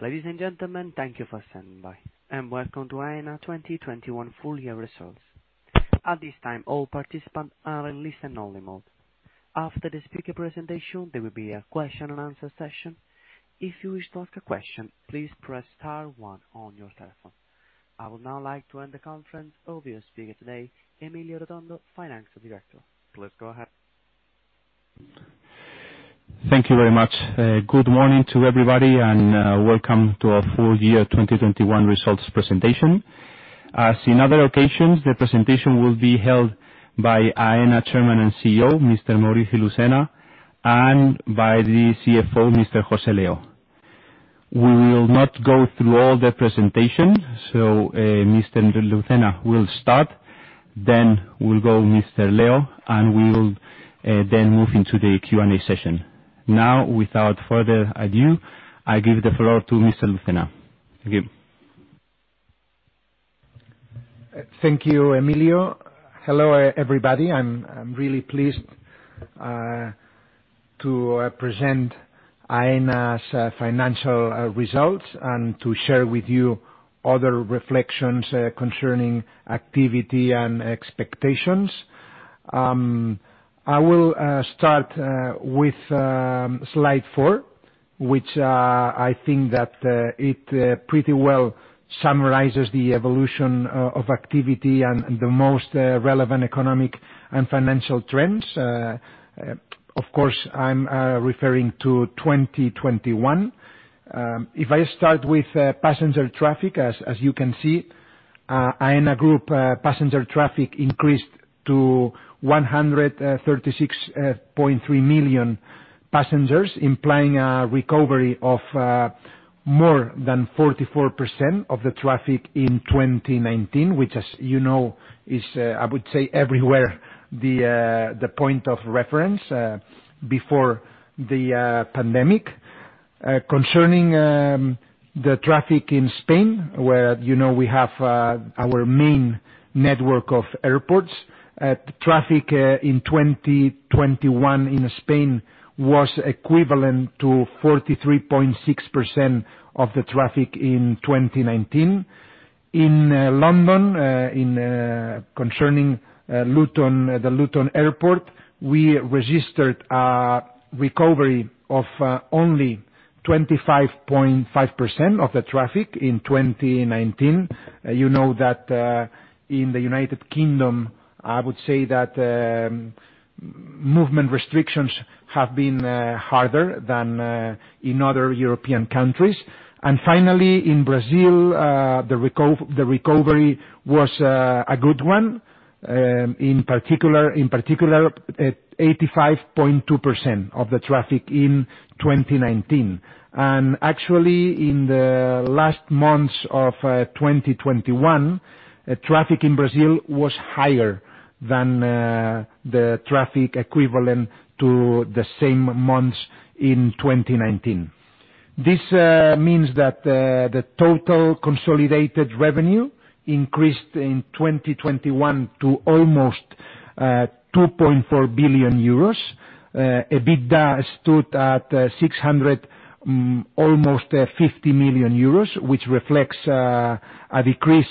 Ladies and gentlemen, thank you for standing by, and welcome to Aena 2021 full year results. At this time, all participants are in listen-only mode. After the speaker presentation, there will be a question and answer session. If you wish to ask a question, please press star one on your telephone. I would now like to hand the conference over to speaker today, Emilio Rotondo, Finance Director. Please go ahead. Thank you very much. Good morning to everybody, and welcome to our full year 2021 results presentation. As in other occasions, the presentation will be held by Aena SME Chairman and CEO, Mr. Maurici Lucena, and by the CFO, Mr. José Leo. We will not go through all the presentation, so Mr. Lucena will start, then will go Mr. Leo, and we will then move into the Q&A session. Now, without further ado, I give the floor to Mr. Lucena. Thank you. Thank you, Emilio. Hello, everybody. I'm really pleased to present Aena's financial results and to share with you other reflections concerning activity and expectations. I will start with slide 4, which I think pretty well summarizes the evolution of activity and the most relevant economic and financial trends. Of course, I'm referring to 2021. If I start with passenger traffic, as you can see, Aena Group passenger traffic increased to 136.3 million passengers, implying a recovery of more than 44% of the traffic in 2019, which, as you know, is everywhere the point of reference before the pandemic. Concerning the traffic in Spain, where you know we have our main network of airports, traffic in 2021 in Spain was equivalent to 43.6% of the traffic in 2019. In London, concerning Luton, the Luton Airport, we registered a recovery of only 25.5% of the traffic in 2019. You know that in the United Kingdom, I would say that movement restrictions have been harder than in other European countries. Finally, in Brazil, the recovery was a good one. In particular, 85.2% of the traffic in 2019. Actually, in the last months of 2021, traffic in Brazil was higher than the traffic equivalent to the same months in 2019. This means that the total consolidated revenue increased in 2021 to almost 2.4 billion euros. EBITDA stood at almost 650 million euros, which reflects a decrease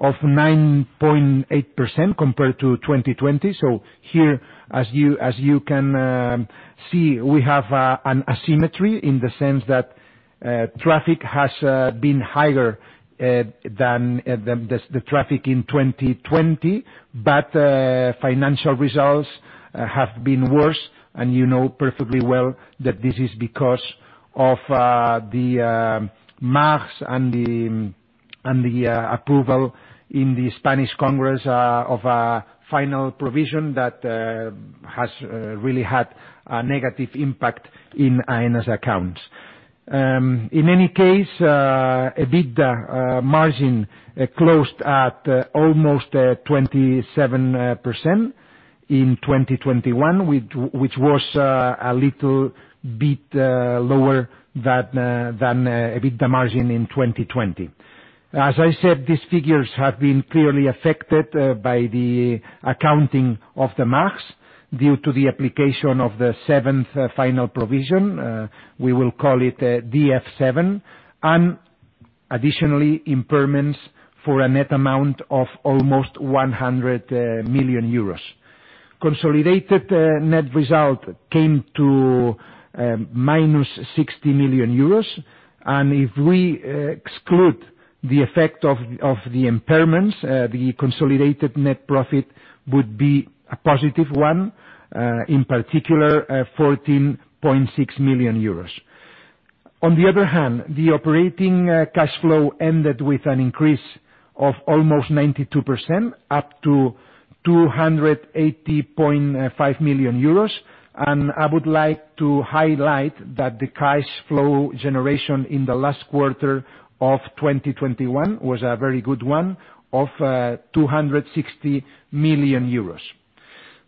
of 9.8% compared to 2020. Here, as you can see, we have an asymmetry in the sense that traffic has been higher than the traffic in 2020, but financial results have been worse. You know perfectly well that this is because of the MAGs and the approval in the Spanish Congress of a final provision that has really had a negative impact in Aena's accounts. EBITDA margin closed at almost 27% in 2021, which was a little bit lower than EBITDA margin in 2020. As I said, these figures have been clearly affected by the accounting of the MAGs due to the application of the Seventh Final Provision, we will call it DF7, and additionally, impairments for a net amount of almost 100 million euros. Consolidated net result came to minus 60 million euros, and if we exclude the effect of the impairments, the consolidated net profit would be a positive one, in particular, 14.6 million euros. On the other hand, the operating cash flow ended with an increase of almost 92%, up to 280.5 million euros. I would like to highlight that the cash flow generation in the last quarter of 2021 was a very good one of 260 million euros.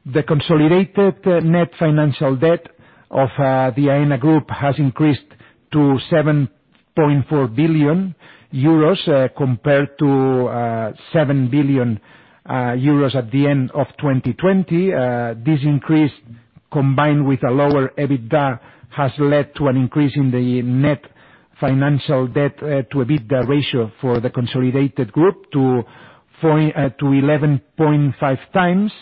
The consolidated net financial debt of the Aena group has increased to 7.4 billion euros compared to 7 billion euros at the end of 2020. This increase, combined with a lower EBITDA, has led to an increase in the net financial debt to EBITDA ratio for the consolidated group to 11.5 times.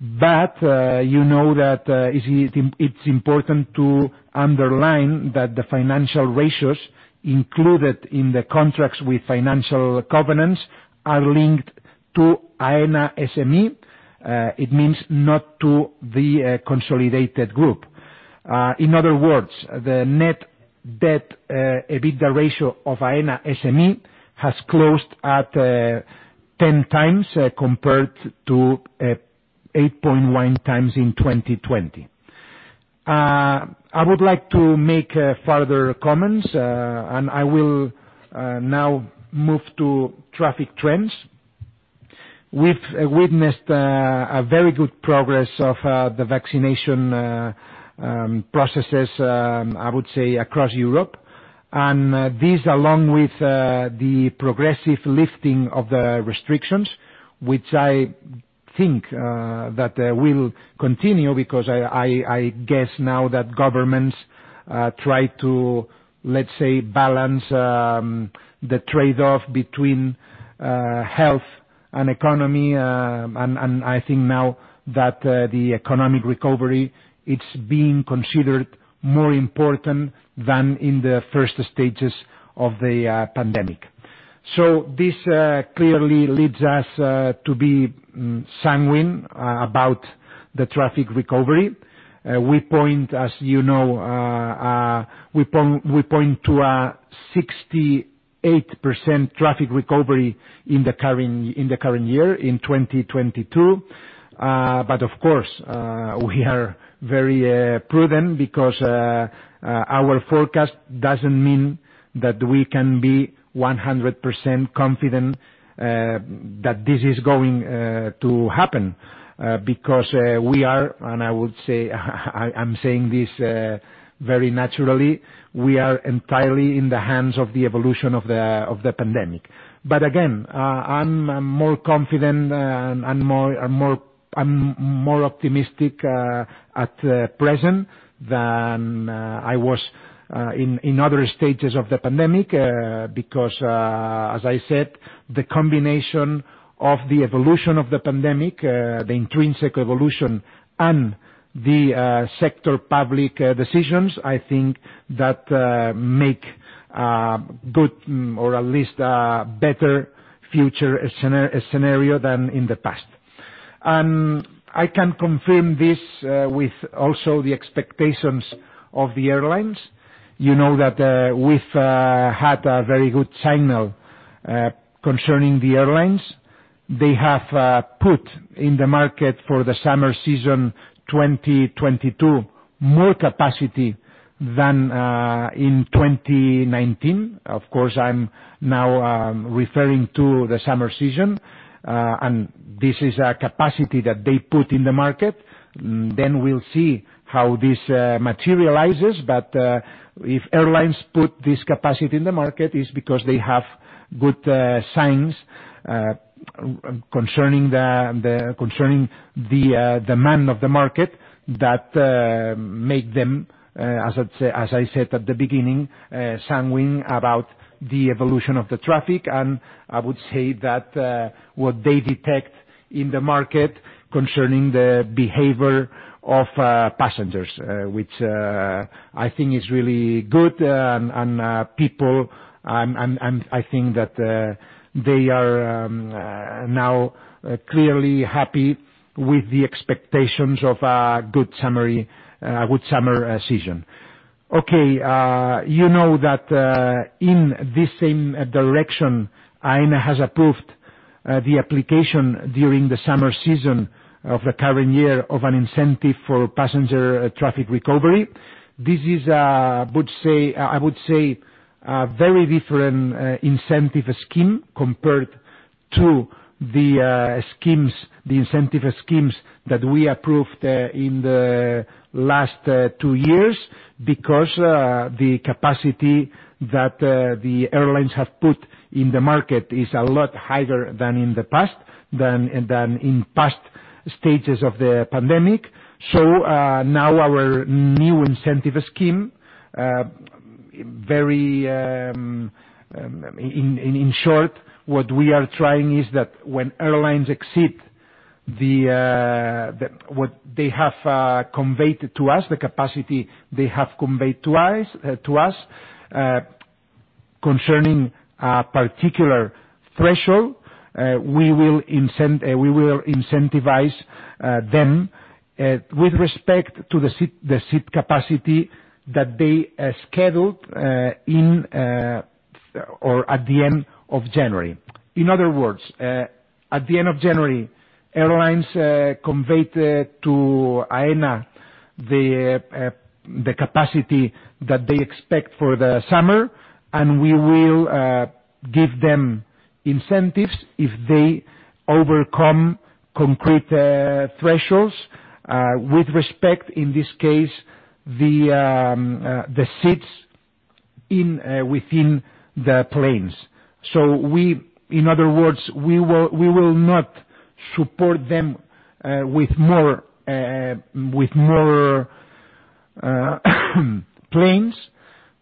You know that it is important to underline that the financial ratios included in the contracts with financial covenants are linked to Aena SME. It means not to the consolidated group. In other words, the net debt EBITDA ratio of Aena SME has closed at 10 times, compared to 8.1 times in 2020. I would like to make further comments, and I will now move to traffic trends. We've witnessed a very good progress of the vaccination processes, I would say, across Europe. This along with the progressive lifting of the restrictions, which I think that will continue because I guess now that governments try to, let's say, balance the trade-off between health and economy. I think now that the economic recovery it's being considered more important than in the first stages of the pandemic. This clearly leads us to be sanguine about the traffic recovery. We point, as you know, to a 68% traffic recovery in the current year, in 2022. Of course, we are very prudent because our forecast doesn't mean that we can be 100% confident that this is going to happen because we are, and I would say, I'm saying this very naturally, we are entirely in the hands of the evolution of the pandemic. Again, I'm more confident and more. I'm more optimistic at present than I was in other stages of the pandemic because, as I said, the combination of the evolution of the pandemic, the intrinsic evolution and the public sector decisions, I think that make good, or at least a better future scenario than in the past. I can confirm this with also the expectations of the airlines. You know that we've had a very good signal concerning the airlines. They have put in the market for the summer season 2022, more capacity than in 2019. Of course, I'm now referring to the summer season, and this is a capacity that they put in the market. Then we'll see how this materializes. If airlines put this capacity in the market, it's because they have good signs concerning the demand of the market that make them, as I'd say, as I said at the beginning, sanguine about the evolution of the traffic, and I would say that what they detect in the market concerning the behavior of passengers, which I think is really good, and people and I think that they are now clearly happy with the expectations of a good summer season. Okay, you know that in this same direction, Aena has approved the application during the summer season of the current year of an incentive for passenger traffic recovery. This is I would say a very different incentive scheme compared to the incentive schemes that we approved in the last two years because the capacity that the airlines have put in the market is a lot higher than in past stages of the pandemic. Now our new incentive scheme very in short what we are trying is that when airlines exceed what they have conveyed to us the capacity they have conveyed to us to us concerning a particular threshold we will incentivize them with respect to the seat capacity that they scheduled in or at the end of January. In other words, at the end of January, airlines conveyed to Aena the capacity that they expect for the summer, and we will give them incentives if they overcome concrete thresholds with respect, in this case, the seats in within the planes. In other words, we will not support them with more planes,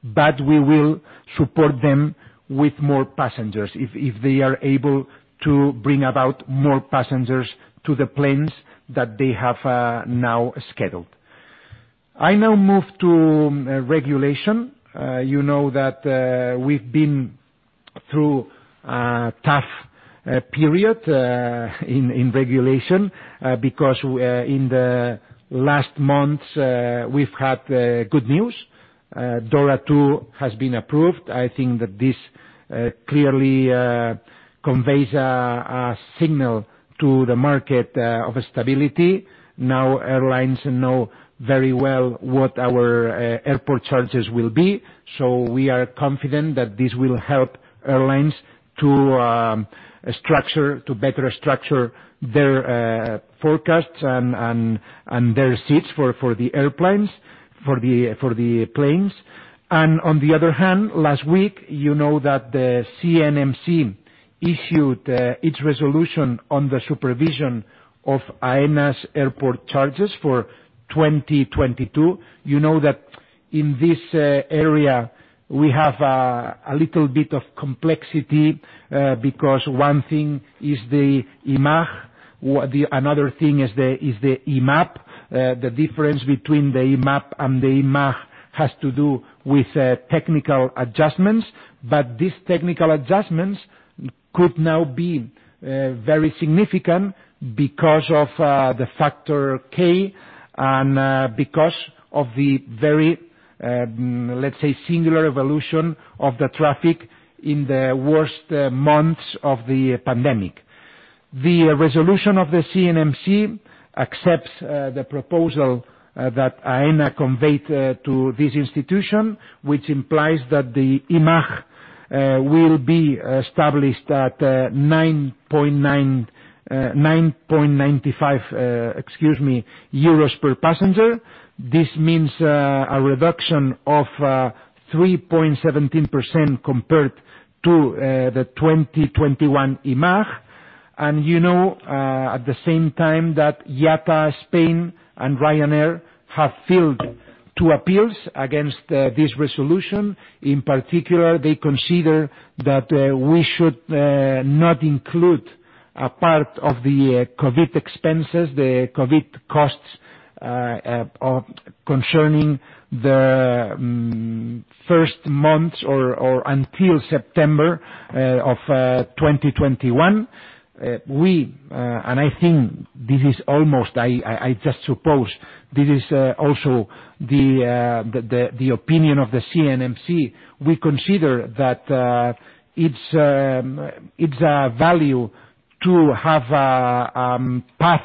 but we will support them with more passengers if they are able to bring about more passengers to the planes that they have now scheduled. I now move to regulation. You know that we've been through a tough period in regulation because in the last months we've had good news. DORA 2 has been approved. I think that this clearly conveys a signal to the market of stability. Airlines know very well what our airport charges will be, so we are confident that this will help airlines to better structure their forecasts and their seats for the planes. On the other hand, last week, you know that the CNMC issued its resolution on the supervision of Aena's airport charges for 2022. You know that in this area, we have a little bit of complexity because one thing is the IMAJ, another thing is the IMAP. The difference between the IMAP and the IMAJ has to do with technical adjustments, but these technical adjustments could now be very significant because of the factor K and because of the very, let's say, singular evolution of the traffic in the worst months of the pandemic. The resolution of the CNMC accepts the proposal that Aena conveyed to this institution, which implies that the IMAJ will be established at 9.95 per passenger. This means a reduction of 3.17% compared to the 2021 IMAJ. You know, at the same time that IATA, Spain, and Ryanair have filed two appeals against this resolution. In particular, they consider that we should not include a part of the COVID expenses, the COVID costs concerning the first months or until September of 2021. I think this is almost. I just suppose this is also the opinion of the CNMC. We consider that it's a value to have a path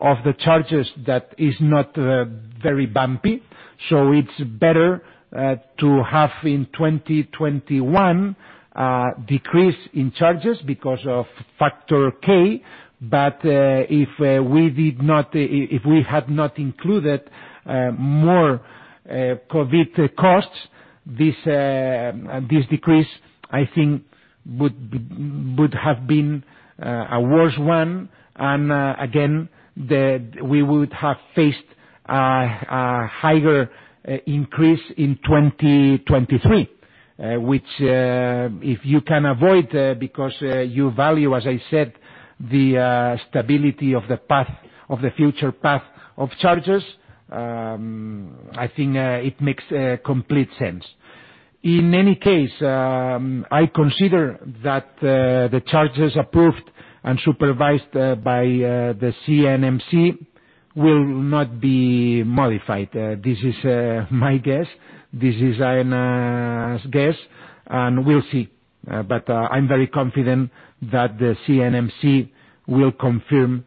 of the charges that is not very bumpy. It's better to have in 2021 decrease in charges because of factor K, but if we had not included more COVID costs, this decrease I think would have been a worse one, and again we would have faced a higher increase in 2023, which if you can avoid because you value, as I said, the stability of the path, of the future path of charges, I think it makes complete sense. In any case, I consider that the charges approved and supervised by the CNMC will not be modified. This is my guess. This is Aena's guess, and we'll see. I'm very confident that the CNMC will confirm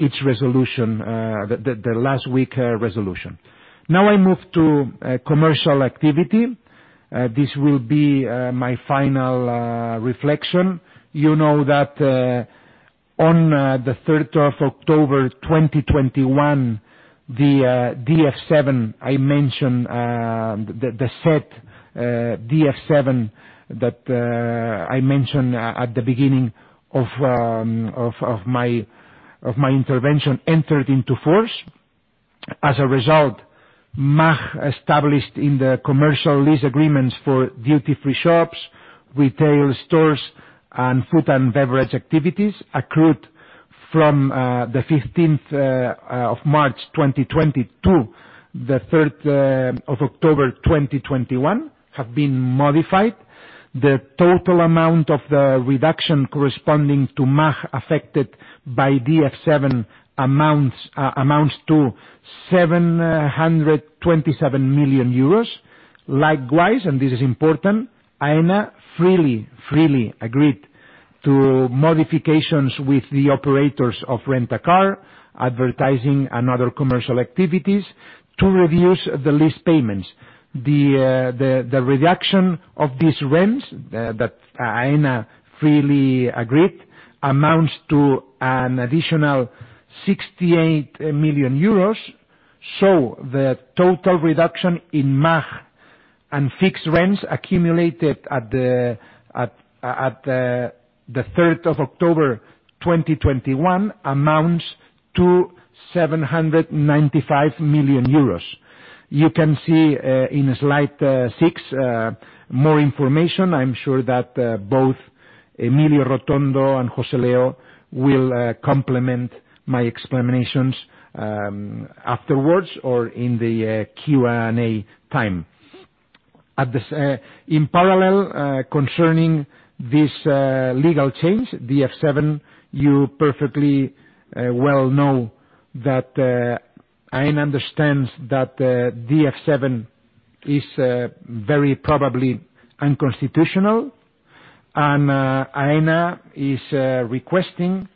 each resolution, the last week resolution. Now I move to commercial activity. This will be my final reflection. You know that on the third of October 2021, the DF7 I mentioned, the Seventh DF7 that I mentioned at the beginning of my intervention entered into force. As a result, MAG established in the commercial lease agreements for duty-free shops, retail stores, and food and beverage activities accrued from the 15th of March 2022, the third of October 2021, have been modified. The total amount of the reduction corresponding to MAG affected by DF7 amounts to 727 million euros. Likewise, and this is important, Aena freely agreed to modifications with the operators of rent-a-car, advertising, and other commercial activities to reduce the lease payments. The reduction of these rents that Aena freely agreed amounts to an additional 68 million euros. The total reduction in MAG and fixed rents accumulated at the third of October 2021 amounts to 795 million euros. You can see in slide 6 more information. I'm sure that both Emilio Rotondo and José Leo will complement my explanations afterwards or in the Q&A time. In parallel, concerning this legal change, DF7, you perfectly well know that Aena understands that the DF7 is very probably unconstitutional. Aena is requesting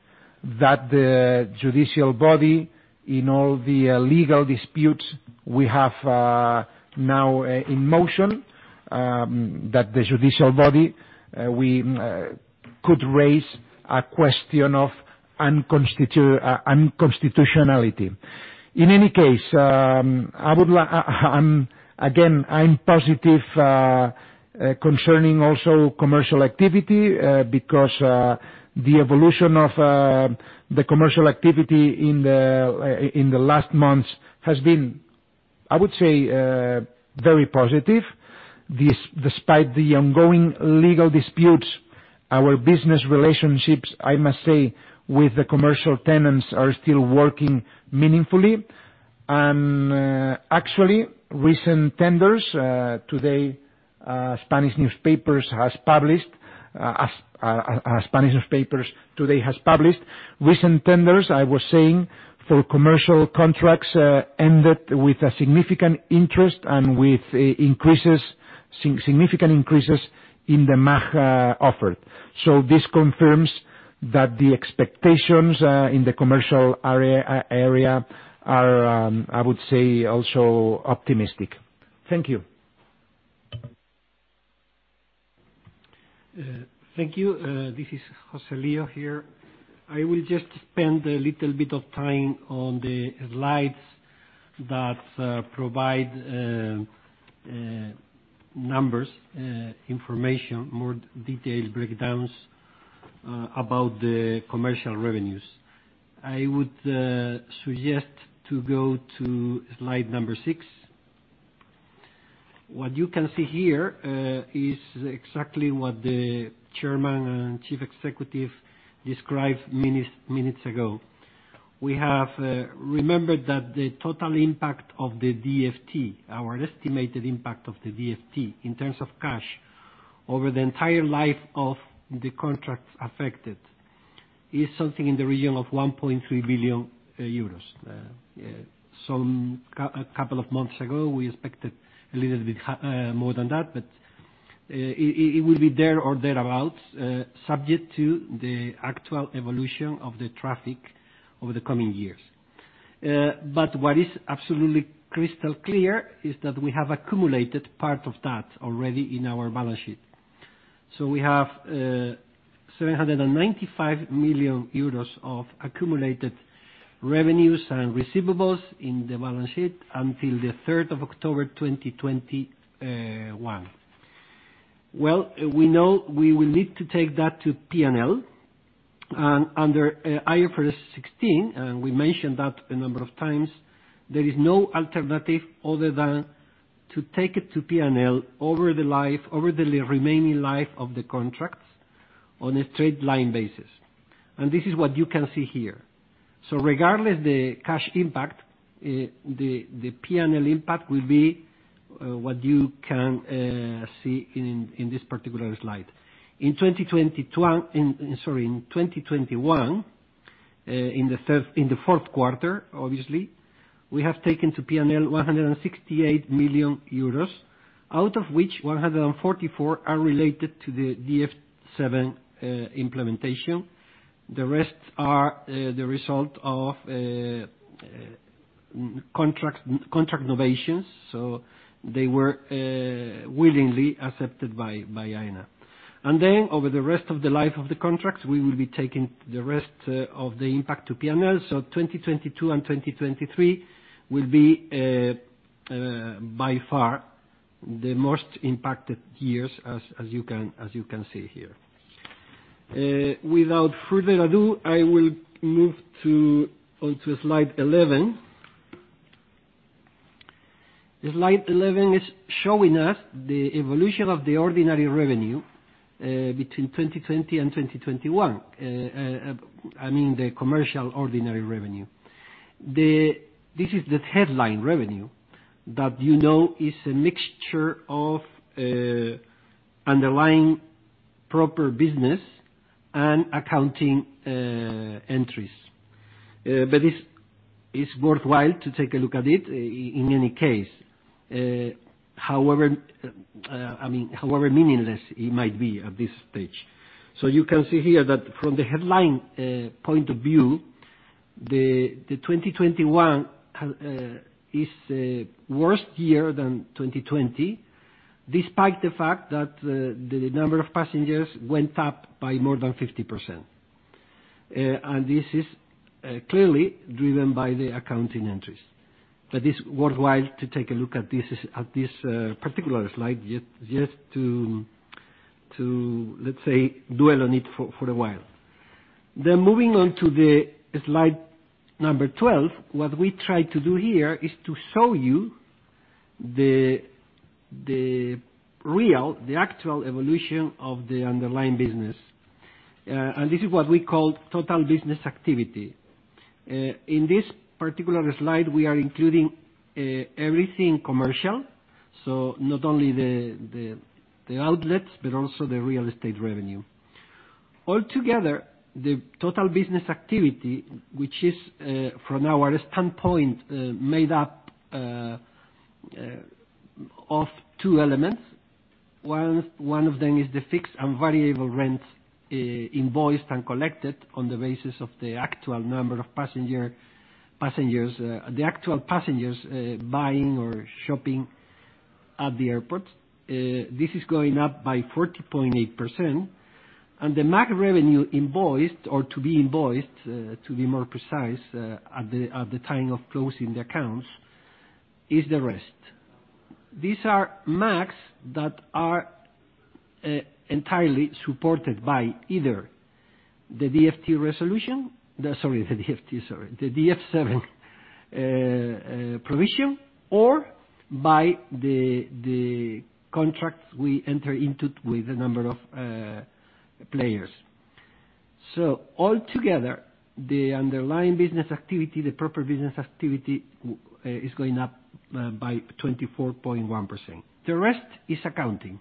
that the judicial body in all the legal disputes we have now in motion that the judicial body we could raise a question of unconstitutionality. In any case, I would like again, I'm positive concerning also commercial activity because the evolution of the commercial activity in the in the last months has been, I would say, very positive. Despite the ongoing legal disputes, our business relationships, I must say, with the commercial tenants are still working meaningfully. Actually, recent tenders today Spanish newspapers has published as Spanish newspapers today has published recent tenders, I was saying, for commercial contracts ended with a significant interest and with increases, significant increases in the MAG offered. This confirms that the expectations in the commercial area are, I would say, also optimistic. Thank you. Thank you. This is José Leo here. I will just spend a little bit of time on the slides that provide numbers, information, more detailed breakdowns about the commercial revenues. I would suggest to go to slide number 6. What you can see here is exactly what the Chairman and Chief Executive described minutes ago. We have remembered that the total impact of the DF7, our estimated impact of the DF7 in terms of cash over the entire life of the contracts affected, is something in the region of 1.3 billion euros. A couple of months ago, we expected a little bit more than that, but it would be there or thereabouts, subject to the actual evolution of the traffic over the coming years. What is absolutely crystal clear is that we have accumulated part of that already in our balance sheet. We have 795 million euros of accumulated revenues and receivables in the balance sheet until the third of October 2021. Well, we know we will need to take that to P&L and under IFRS 16, and we mentioned that a number of times, there is no alternative other than to take it to P&L over the life, over the remaining life of the contracts on a straight line basis. This is what you can see here. Regardless the cash impact, the P&L impact will be what you can see in this particular slide. In 2021, in the fourth quarter, obviously, we have taken to P&L 168 million euros, out of which 144 are related to the DF7 implementation. The rest are the result of contract novations. So they were willingly accepted by Aena. Then over the rest of the life of the contracts, we will be taking the rest of the impact to P&L. 2022 and 2023 will be by far the most impacted years, as you can see here. Without further ado, I will move on to slide 11. Slide 11 is showing us the evolution of the ordinary revenue between 2020 and 2021. I mean the commercial ordinary revenue. This is the headline revenue that you know is a mixture of underlying proper business and accounting entries. It's worthwhile to take a look at it in any case, however, I mean, however meaningless it might be at this stage. You can see here that from the headline point of view, the 2021 is a worse year than 2020, despite the fact that the number of passengers went up by more than 50%. This is clearly driven by the accounting entries. It's worthwhile to take a look at this particular slide just to, let's say, dwell on it for a while. Moving on to the slide number 12, what we try to do here is to show you the actual evolution of the underlying business. This is what we call total business activity. In this particular slide, we are including everything commercial, so not only the outlets but also the real estate revenue. Altogether, the total business activity, which is, from our standpoint, made up of two elements. One of them is the fixed and variable rent invoiced and collected on the basis of the actual number of passengers buying or shopping at the airport. This is going up by 40.8%. The MAG revenue invoiced, or to be invoiced, to be more precise, at the time of closing the accounts, is the rest. These are MAGs that are entirely supported by either the DF7 resolution or the DF7 provision, or by the contracts we enter into with a number of players. Altogether, the underlying business activity, the proper business activity is going up by 24.1%. The rest is accounting.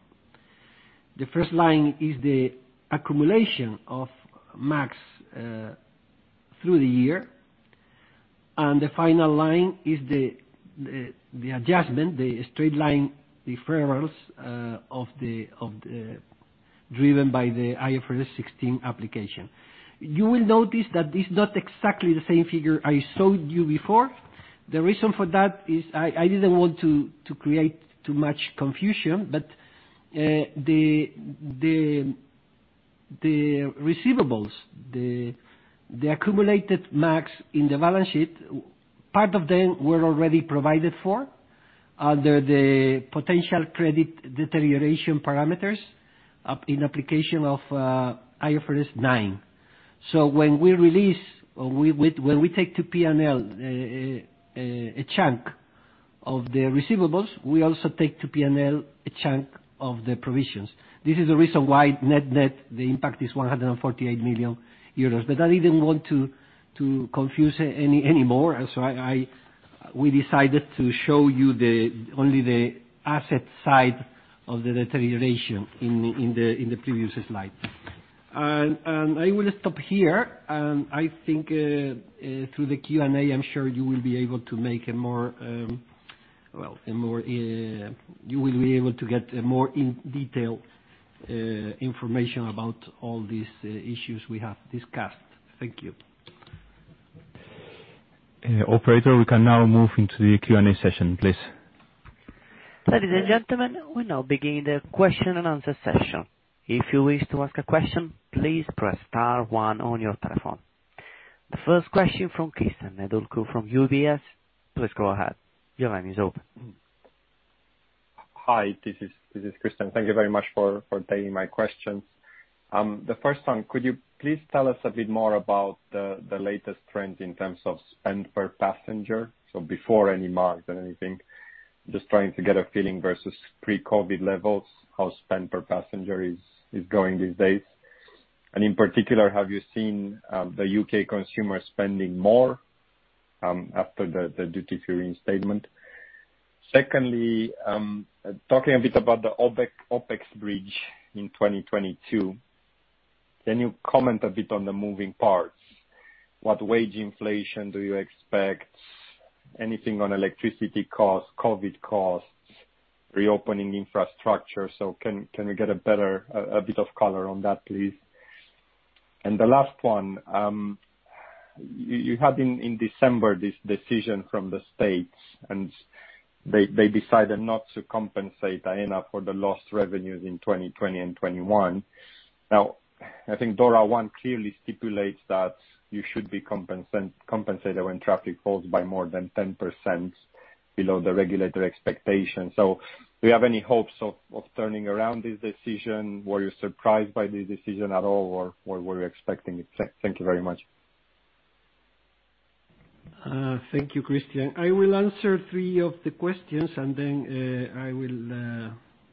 The first line is the accumulation of MAGs through the year, and the final line is the adjustment, the straight line deferrals of the driven by the IFRS 16 application. You will notice that this is not exactly the same figure I showed you before. The reason for that is I didn't want to create too much confusion, but the receivables, the accumulated MAGs in the balance sheet, part of them were already provided for under the potential credit deterioration parameters upon application of IFRS 9. When we take to P&L a chunk of the receivables, we also take to P&L a chunk of the provisions. This is the reason why net-net, the impact is 148 million euros. But I didn't want to confuse any more, and so we decided to show you only the asset side of the deterioration in the previous slide. I will stop here. I think through the Q&A, I'm sure you will be able to get more in detail information about all these issues we have discussed. Thank you. Operator, we can now move into the Q&A session, please. Ladies and gentlemen, we now begin the question and answer session. If you wish to ask a question, please press star one on your telephone. The first question from Cristian Nedelcu from UBS, please go ahead. Your line is open. Hi, this is Cristian. Thank you very much for taking my questions. The first one, could you please tell us a bit more about the latest trends in terms of spend per passenger, so before any MAGs and anything? Just trying to get a feeling versus pre-COVID levels, how spend per passenger is going these days. In particular, have you seen the U.K. consumer spending more after the duty-free reinstatement? Secondly, talking a bit about the OpEx bridge in 2022, can you comment a bit on the moving parts? What wage inflation do you expect? Anything on electricity costs, COVID costs, reopening infrastructure? Can we get a bit of color on that, please? The last one, you had in December this decision from the State, and they decided not to compensate Aena for the lost revenues in 2020 and 2021. Now, I think DORA 1 clearly stipulates that you should be compensated when traffic falls by more than 10% below the regulator expectation. Do you have any hopes of turning around this decision? Were you surprised by the decision at all, or were you expecting it? Thank you very much. Thank you, Cristian. I will answer three of the questions, and then,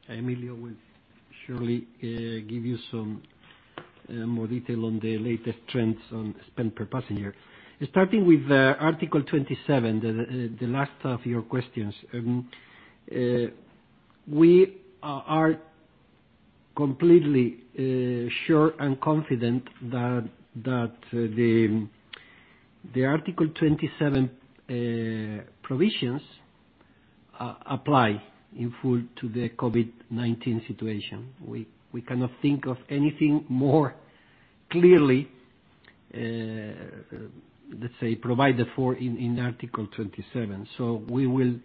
Emilio will surely give you some more detail on the latest trends on spend per passenger. Starting with Article 27, the last of your questions. We are completely sure and confident that the Article 27 provisions apply in full to the COVID-19 situation. We cannot think of anything more clearly, let's say provided for in Article 27. We will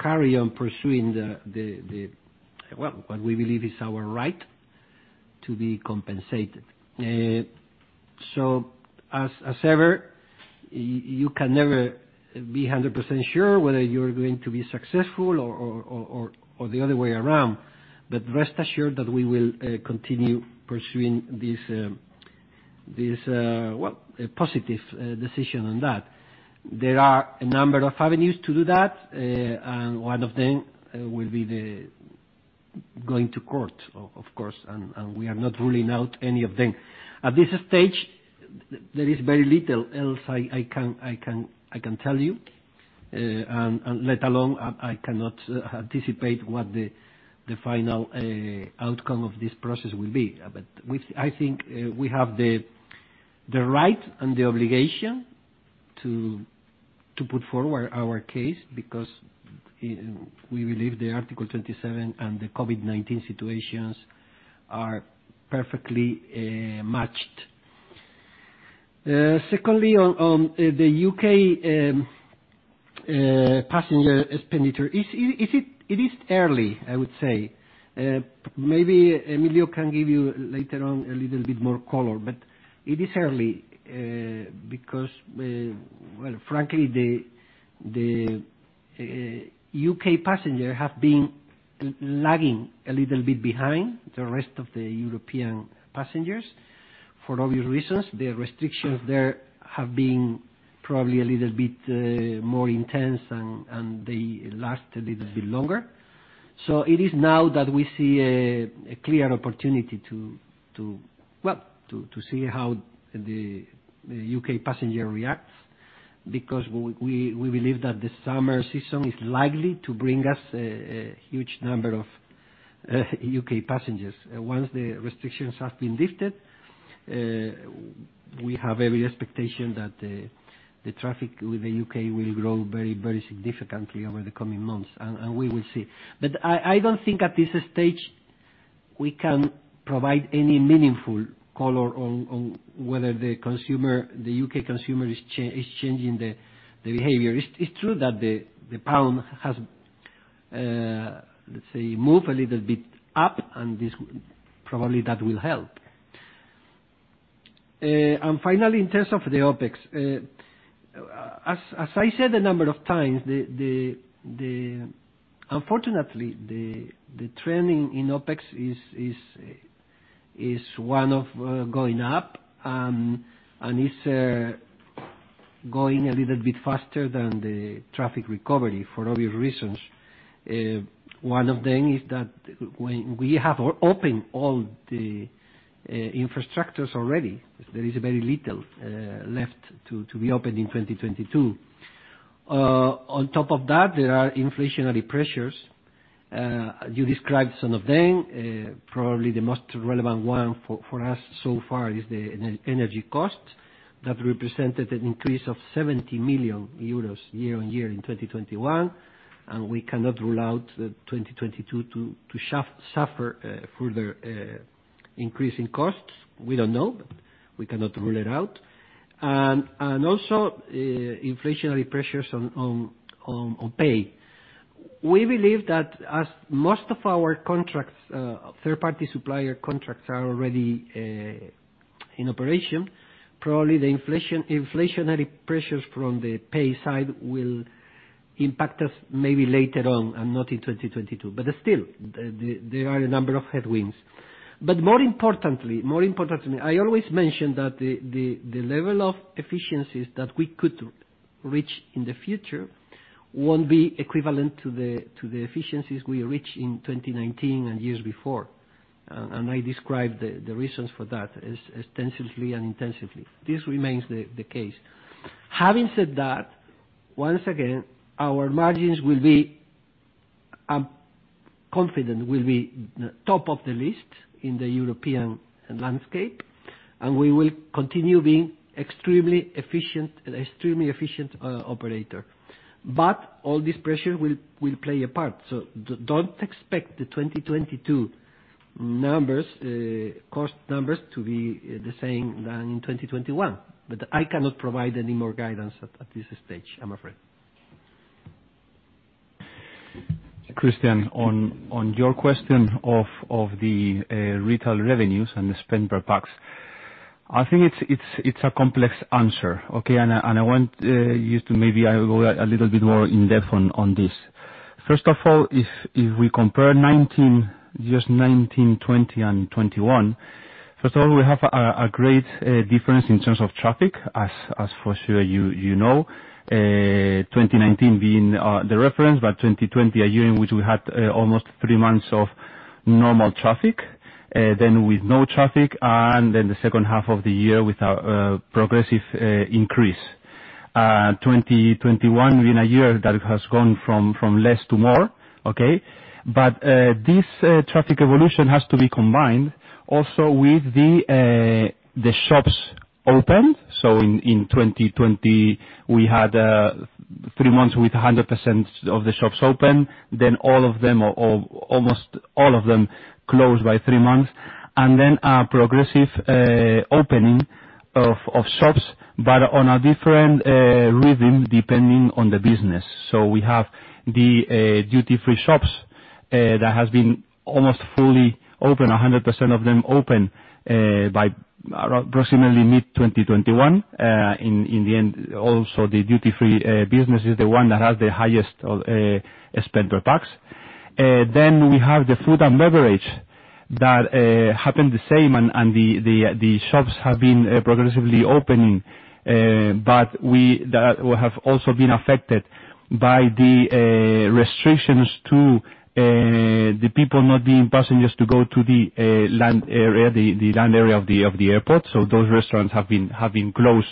carry on pursuing what we believe is our right to be compensated. As ever, you can never be 100% sure whether you're going to be successful or the other way around. Rest assured that we will continue pursuing this, hoping for a positive decision on that. There are a number of avenues to do that, and one of them will be going to court, of course, and we are not ruling out any of them. At this stage, there is very little else I can tell you, and let alone I cannot anticipate what the final outcome of this process will be. I think we have the right and the obligation to put forward our case because we believe the Article 27 and the COVID-19 situations are perfectly matched. Secondly, on the U.K. passenger expenditure, is it early? It is early, I would say. Maybe Emilio Rotondo can give you later on a little bit more color, but it is early, because, well, frankly, the U.K. passenger have been lagging a little bit behind the rest of the European passengers. For obvious reasons, the restrictions there have been probably a little bit more intense and they last a little bit longer. It is now that we see a clear opportunity to, well, to see how the U.K. passenger reacts because we believe that the summer season is likely to bring us a huge number of U.K. passengers. Once the restrictions have been lifted, we have every expectation that the traffic with the U.K. will grow very significantly over the coming months, and we will see. I don't think at this stage we can provide any meaningful color on whether the consumer, the U.K. consumer is changing the behavior. It's true that the pound has, let's say, moved a little bit up, and this probably that will help. Finally, in terms of the OpEx, as I said a number of times, unfortunately, the trending in OpEx is one of going up, and it's going a little bit faster than the traffic recovery for obvious reasons. One of them is that when we have opened all the infrastructures already, there is very little left to be opened in 2022. On top of that, there are inflationary pressures. You described some of them. Probably the most relevant one for us so far is the energy cost that represented an increase of 70 million euros year-over-year in 2021, and we cannot rule out 2022 to suffer further increase in costs. We don't know. We cannot rule it out, also inflationary pressures on pay. We believe that as most of our contracts, third-party supplier contracts are already in operation, probably the inflationary pressures from the pay side will impact us maybe later on and not in 2022. But still, there are a number of headwinds. But more importantly, I always mention that the level of efficiencies that we could reach in the future won't be equivalent to the efficiencies we reached in 2019 and years before. I described the reasons for that extensively and intensively. This remains the case. Having said that, once again, our margins will be, I'm confident, top of the list in the European landscape, and we will continue being extremely efficient operator. All this pressure will play a part. Don't expect the 2022 numbers, cost numbers to be the same as in 2021. I cannot provide any more guidance at this stage, I'm afraid. Cristian, on your question of the retail revenues and the spend per pax, I think it's a complex answer, okay? I want you to maybe go a little bit more in depth on this. First of all, if we compare 2019, just 2019, 2020 and 2021, first of all, we have a great difference in terms of traffic, as for sure you know. 2019 being the reference, but 2020 a year in which we had almost three months of normal traffic, then with no traffic, and then the second half of the year with a progressive increase. 2021 being a year that has gone from less to more, okay? This traffic evolution has to be combined also with the shops opened. In 2020 we had 3 months with 100% of the shops open, then all of them, or almost all of them close by 3 months, and then a progressive opening of shops, but on a different rhythm depending on the business. We have the duty-free shops that has been almost fully open, 100% of them open by approximately mid-2021. In the end, also the duty-free business is the one that has the highest spend per pax. We have the food and beverage that happened the same and the shops have been progressively opening, but that have also been affected by the restrictions to the people not being passengers to go to the land area of the airport. So those restaurants have been closed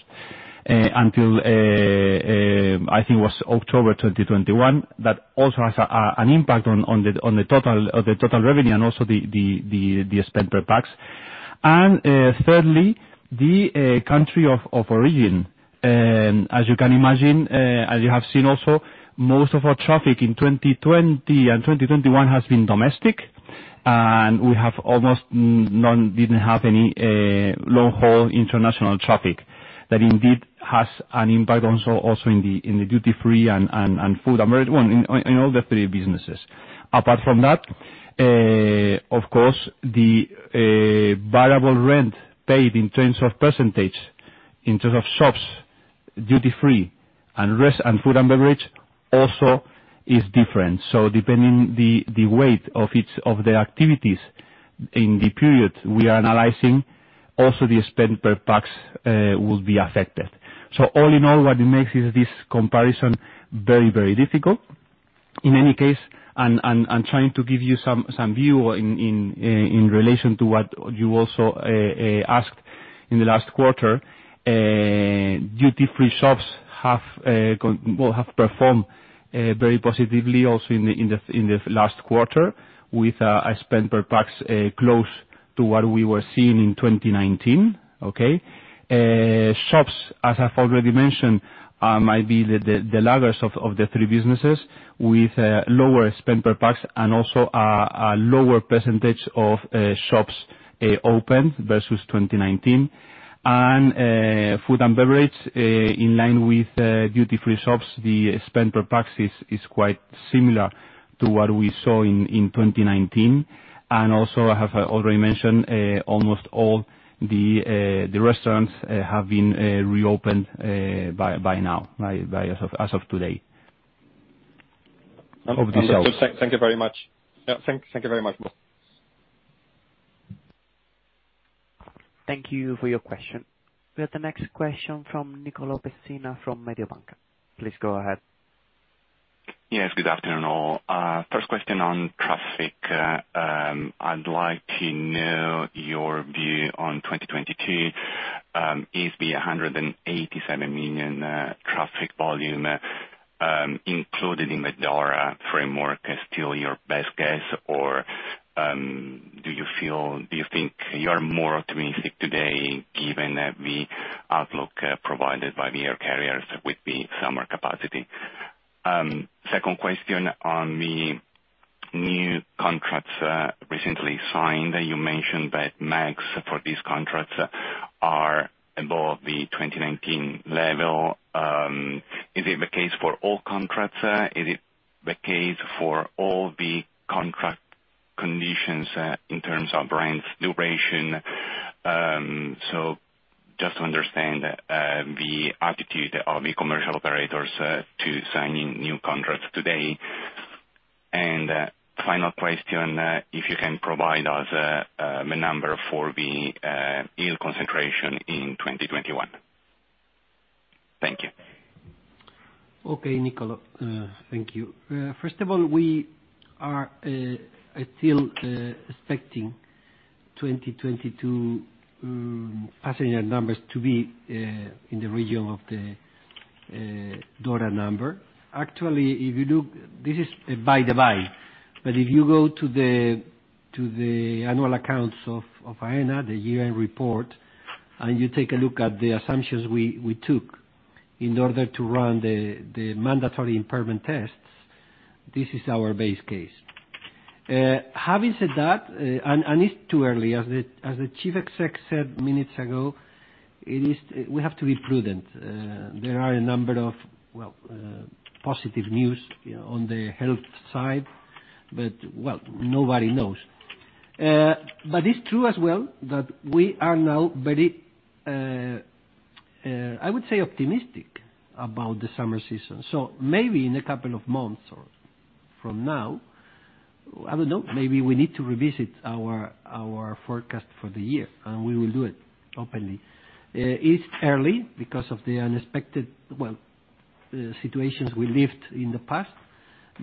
until I think it was October 2021. That also has an impact on the total revenue and also the spend per pax. Thirdly, the country of origin. As you can imagine, as you have seen also, most of our traffic in 2020 and 2021 has been domestic, and we have almost none, didn't have any, long-haul international traffic that indeed has an impact also in the duty-free and food and beverage, in all the three businesses. Apart from that, of course, the variable rent paid in terms of percentage, in terms of shops, duty-free and food and beverage also is different. Depending on the weight of each of the activities in the period we are analyzing, also the spend per pax will be affected. All in all, what it makes is this comparison very, very difficult. In any case, I'm trying to give you some view in relation to what you also asked in the last quarter. Duty-free shops have performed very positively also in the last quarter with a spend per pax close to what we were seeing in 2019, okay. Shops, as I've already mentioned, might be the laggards of the three businesses with lower spend per pax and also a lower percentage of shops open versus 2019. Food and beverage, in line with duty-free shops, the spend per pax is quite similar to what we saw in 2019. I have already mentioned almost all the restaurants have been reopened by now, as of today. Understood. Thank you very much. Yeah, thank you very much. Thank you for your question. We have the next question from Nicolò Pecchioni from Mediobanca. Please go ahead. Yes, good afternoon all. First question on traffic. I'd like to know your view on 2022. Is the 187 million traffic volume included in the DORA framework still your best guess? Or do you feel you are more optimistic today given the outlook provided by the air carriers with the summer capacity? Second question on the new contracts recently signed. You mentioned that MAGs for these contracts are above the 2019 level. Is it the case for all contracts? Is it the case for all the contract conditions in terms of brands duration? So just to understand the attitude of the commercial operators to signing new contracts today. Final question, if you can provide us a number for the yield concentration in 2021. Thank you. Okay, Nicolò. Thank you. First of all, we are still expecting 2022 passenger numbers to be in the region of the DORA number. Actually, if you look, this is by the by, but if you go to the annual accounts of Aena, the year-end report, and you take a look at the assumptions we took in order to run the mandatory impairment tests, this is our base case. Having said that, and it's too early, as the chief exec said minutes ago, it is. We have to be prudent. There are a number of well positive news on the health side, but well, nobody knows. But it's true as well that we are now very I would say optimistic about the summer season. Maybe in a couple of months or from now, I don't know, maybe we need to revisit our forecast for the year, and we will do it openly. It's early because of the unexpected situations we lived in the past,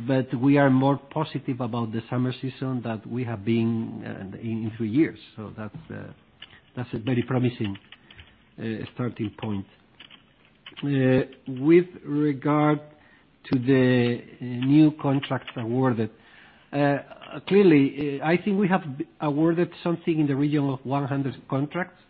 but we are more positive about the summer season than we have been in three years. That's a very promising starting point. With regard to the new contracts awarded, clearly, I think we have awarded something in the region of 100 contracts.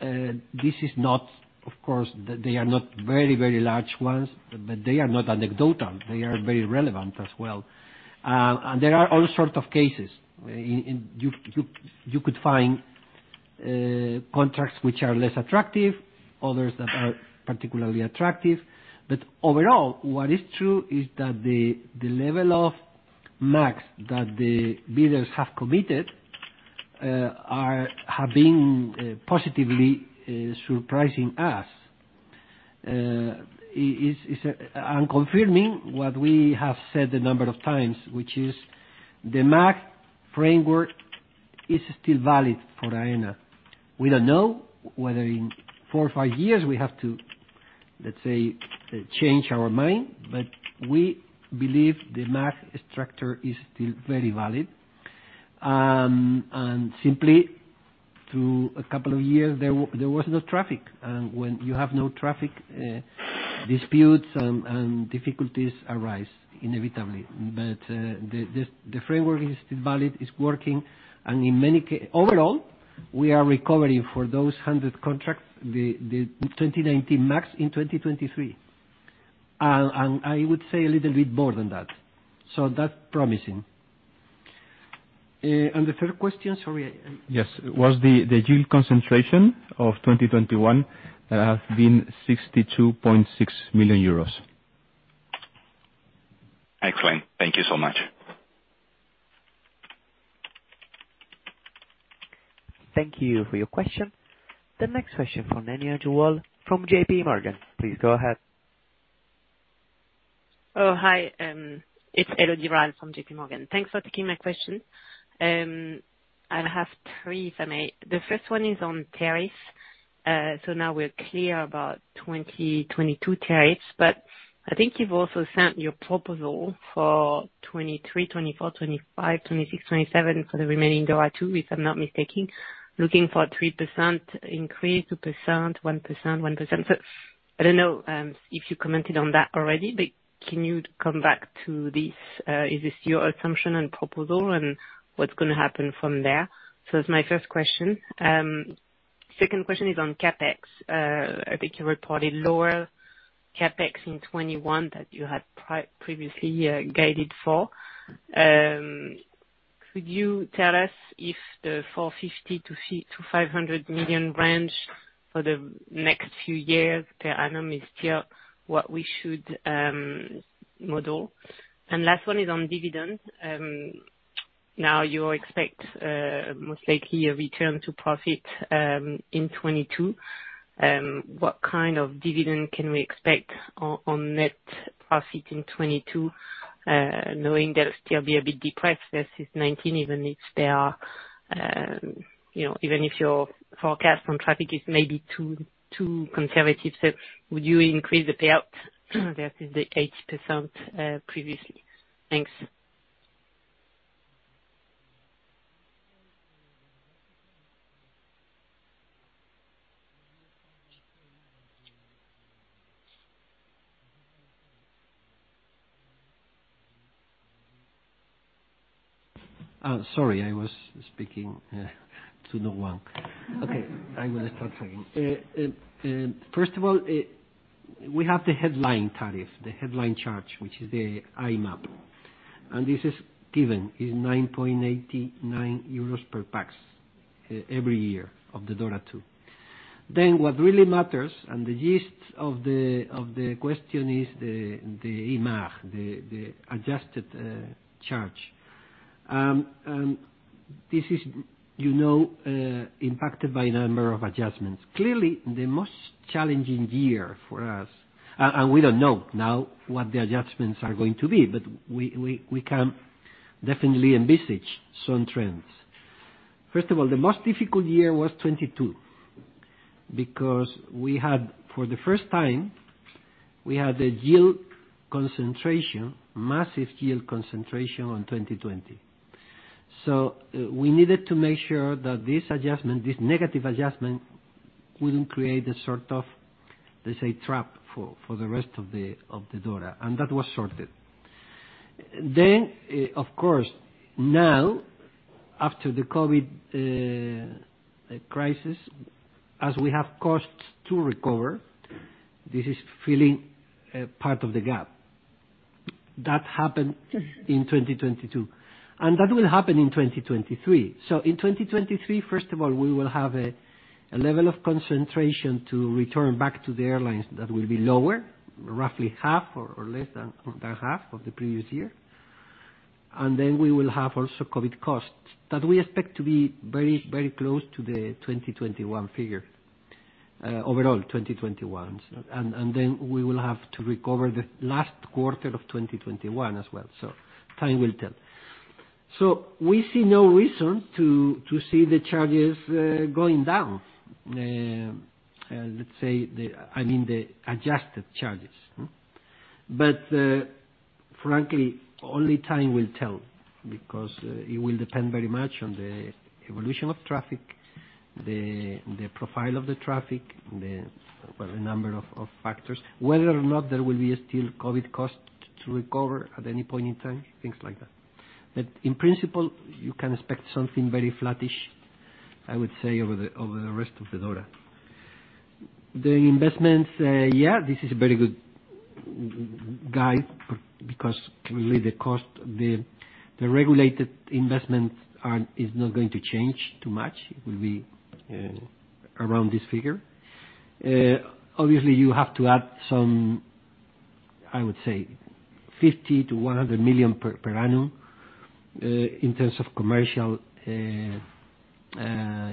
This is not, of course, they are not very, very large ones, but they are not anecdotal, they are very relevant as well. There are all sorts of cases. In, you could find contracts which are less attractive, others that are particularly attractive. Overall, what is true is that the level of MAG that the bidders have committed have been positively surprising us and confirming what we have said a number of times, which is the MAG framework is still valid for Aena. We don't know whether in 4 or 5 years we have to, let's say, change our mind, but we believe the MAX structure is still very valid. Simply, through a couple of years, there was no traffic. When you have no traffic, disputes and difficulties arise inevitably. The framework is still valid, it's working. Overall, we are recovering for those 100 contracts, the 2019 MAX in 2023. I would say a little bit more than that. That's promising. The third question, sorry. Yes. Was the yield concentration of 2021 being EUR 62.6 million. Excellent. Thank you so much. Thank you for your question. The next question from Elodie Rall from J.P. Morgan. Please go ahead. It's Elodie Rall from J.P. Morgan. Thanks for taking my question. I have three if I may. The first one is on tariffs. Now we're clear about 2022 tariffs, but I think you've also sent your proposal for 2023, 2024, 2025, 2026, 2027 for the remaining DORA 2, if I'm not mistaken. Looking for 3% increase, 2%, 1%, 1%. I don't know if you commented on that already, but can you come back to this? Is this your assumption and proposal and what's gonna happen from there? That's my first question. Second question is on CapEx. I think you reported lower CapEx in 2021 that you had previously guided for. Could you tell us if the 450 million-500 million range for the next few years, per annum, is still what we should model? Last one is on dividends. Now you expect, most likely a return to profit, in 2022. What kind of dividend can we expect on net profit in 2022, knowing they'll still be a bit depressed versus 2019, even if they are, you know, even if your forecast on traffic is maybe too conservative? Would you increase the payout versus the 80%, previously? Thanks. First of all, we have the headline tariff, the headline charge, which is the IMAP. And this is given, it's 9.89 euros per pax every year of the DORA 2. Then what really matters, and the gist of the question is the IMAG, the adjusted charge. And this is, you know, impacted by a number of adjustments. Clearly, the most challenging year for us, and we don't know now what the adjustments are going to be, but we can definitely envisage some trends. First of all, the most difficult year was 2022 because we had, for the first time, a yield concentration, massive yield concentration on 2020. We needed to make sure that this adjustment, this negative adjustment, wouldn't create a sort of, let's say, trap for the rest of the DORA. That was sorted. Of course, now, after the COVID crisis, as we have costs to recover, this is filling a part of the gap. That happened in 2022, and that will happen in 2023. In 2023, first of all, we will have a level of concentration to return back to the airlines that will be lower, roughly half or less than half of the previous year. Then we will have also COVID costs that we expect to be very, very close to the 2021 figure, overall 2021's. Then we will have to recover the last quarter of 2021 as well. Time will tell. We see no reason to see the charges going down. Let's say I mean the adjusted charges? Frankly, only time will tell, because it will depend very much on the evolution of traffic, the profile of the traffic, well, the number of factors, whether or not there will be still COVID costs to recover at any point in time, things like that. In principle, you can expect something very flattish, I would say, over the rest of the year. The investments, this is a very good guide because clearly the cost, the regulated investments is not going to change too much. It will be around this figure. Obviously, you have to add some, I would say 50 million-100 million per annum, in terms of commercial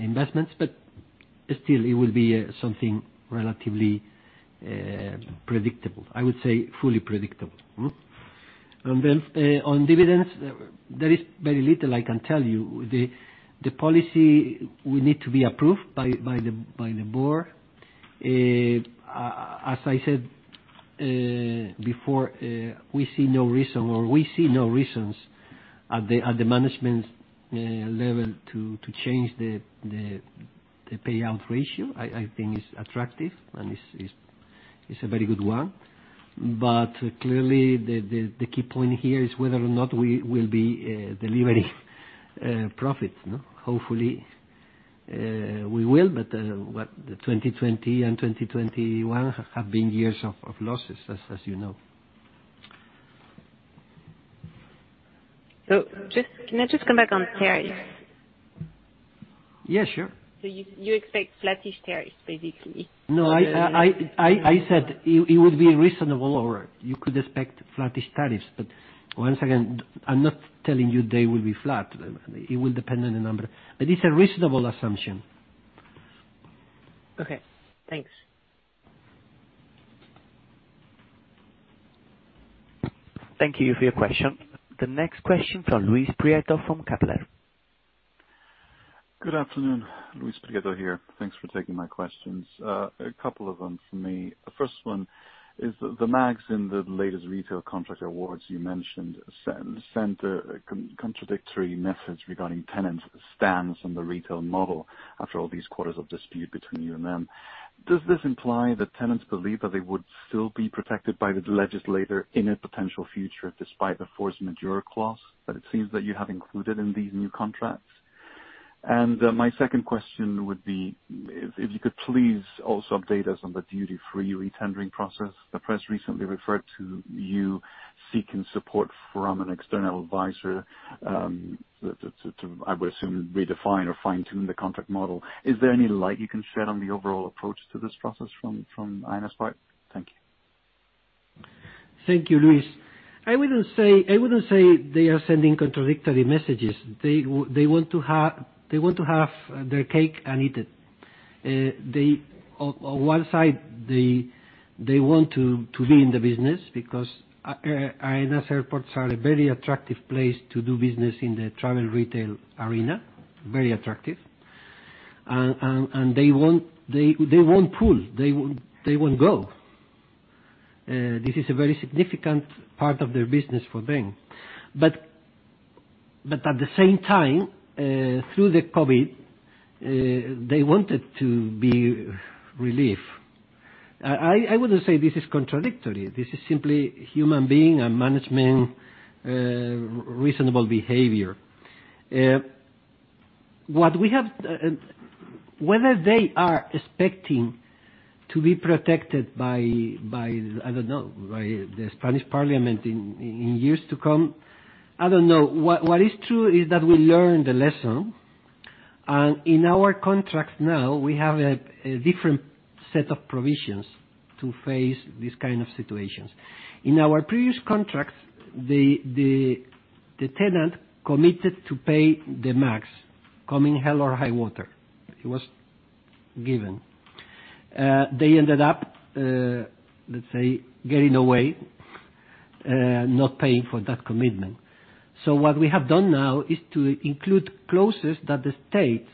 investments. Still it will be something relatively predictable. I would say fully predictable. Then, on dividends, there is very little I can tell you. The policy will need to be approved by the board. As I said before, we see no reason at the management level to change the payout ratio. I think it's attractive, and it's a very good one. Clearly the key point here is whether or not we will be delivering profits. Hopefully, we will, but what the 2020 and 2021 have been years of losses, as you know. Can I just come back on tariffs? Yeah, sure. You expect flattish tariffs, basically? No. I said it would be reasonable or you could expect flattish tariffs. Once again, I'm not telling you they will be flat. It will depend on the number. It's a reasonable assumption. Okay. Thanks. Thank you for your question. The next question from Luis Prieto from Kepler. Good afternoon. Luis Prieto here. Thanks for taking my questions. A couple of them from me. The first one is the MAGs in the latest retail contract awards you mentioned sent a contradictory message regarding tenants' stance on the retail model after all these quarters of dispute between you and them. Does this imply that tenants believe that they would still be protected by the legislator in a potential future despite the force majeure clause that it seems that you have included in these new contracts? And my second question would be if you could please also update us on the duty-free retendering process. The press recently referred to you seeking support from an external advisor to, I would assume, redefine or fine-tune the contract model. Is there any light you can shed on the overall approach to this process from Aena's part? Thank you. Thank you, Luis. I wouldn't say they are sending contradictory messages. They want to have their cake and eat it. On one side, they want to be in the business because Aena's airports are a very attractive place to do business in the travel retail arena, very attractive. And they won't pull, they won't go. This is a very significant part of their business for them. But at the same time, through the COVID, they wanted relief. I wouldn't say this is contradictory. This is simply human being and management reasonable behavior. Whether they are expecting to be protected by, I don't know, by the Spanish parliament in years to come, I don't know. What is true is that we learned the lesson, and in our contracts now, we have a different set of provisions to face these kind of situations. In our previous contracts, the tenant committed to pay the MAG, coming hell or high water. It was given. They ended up, let's say, getting away, not paying for that commitment. What we have done now is to include clauses that state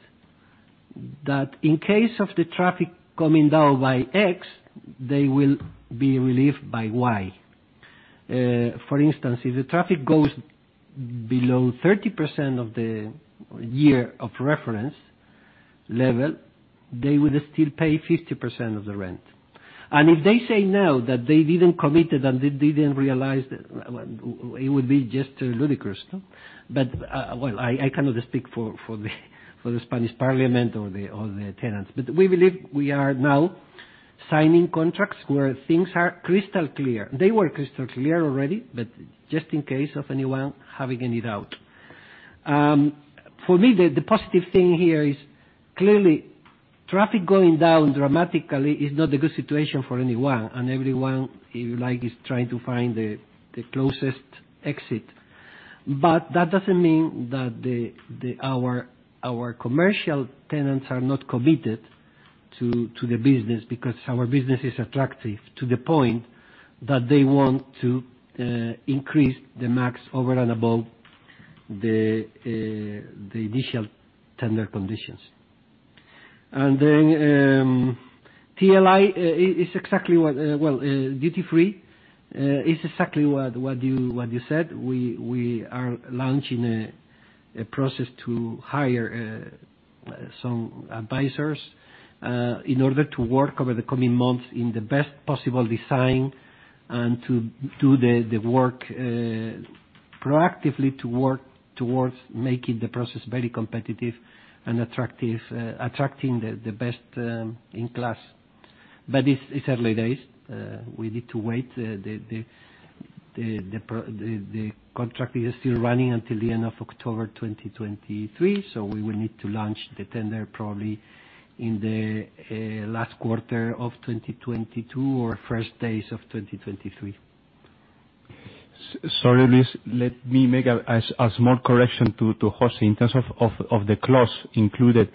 that in case of the traffic coming down by X, they will be relieved by Y. For instance, if the traffic goes below 30% of the year of reference level, they would still pay 50% of the rent. If they say now that they didn't commit it or they didn't realize, it would be just ludicrous, no? I cannot speak for the Spanish parliament or the tenants. We believe we are now signing contracts where things are crystal clear. They were crystal clear already, but just in case of anyone having any doubt. For me, the positive thing here is clearly traffic going down dramatically is not a good situation for anyone and everyone, if you like, is trying to find the closest exit. That doesn't mean that our commercial tenants are not committed to the business because our business is attractive to the point that they want to increase the MAG over and above the initial tender conditions. TLI is exactly what, well, duty-free is exactly what you said. We are launching a process to hire some advisors in order to work over the coming months in the best possible design and to do the work proactively to work towards making the process very competitive and attractive, attracting the best in class. But it's early days. We need to wait. The contract is still running until the end of October 2023, so we will need to launch the tender probably in the last quarter of 2022 or first days of 2023. Sorry, Luis. Let me make a small correction to José in terms of the clause included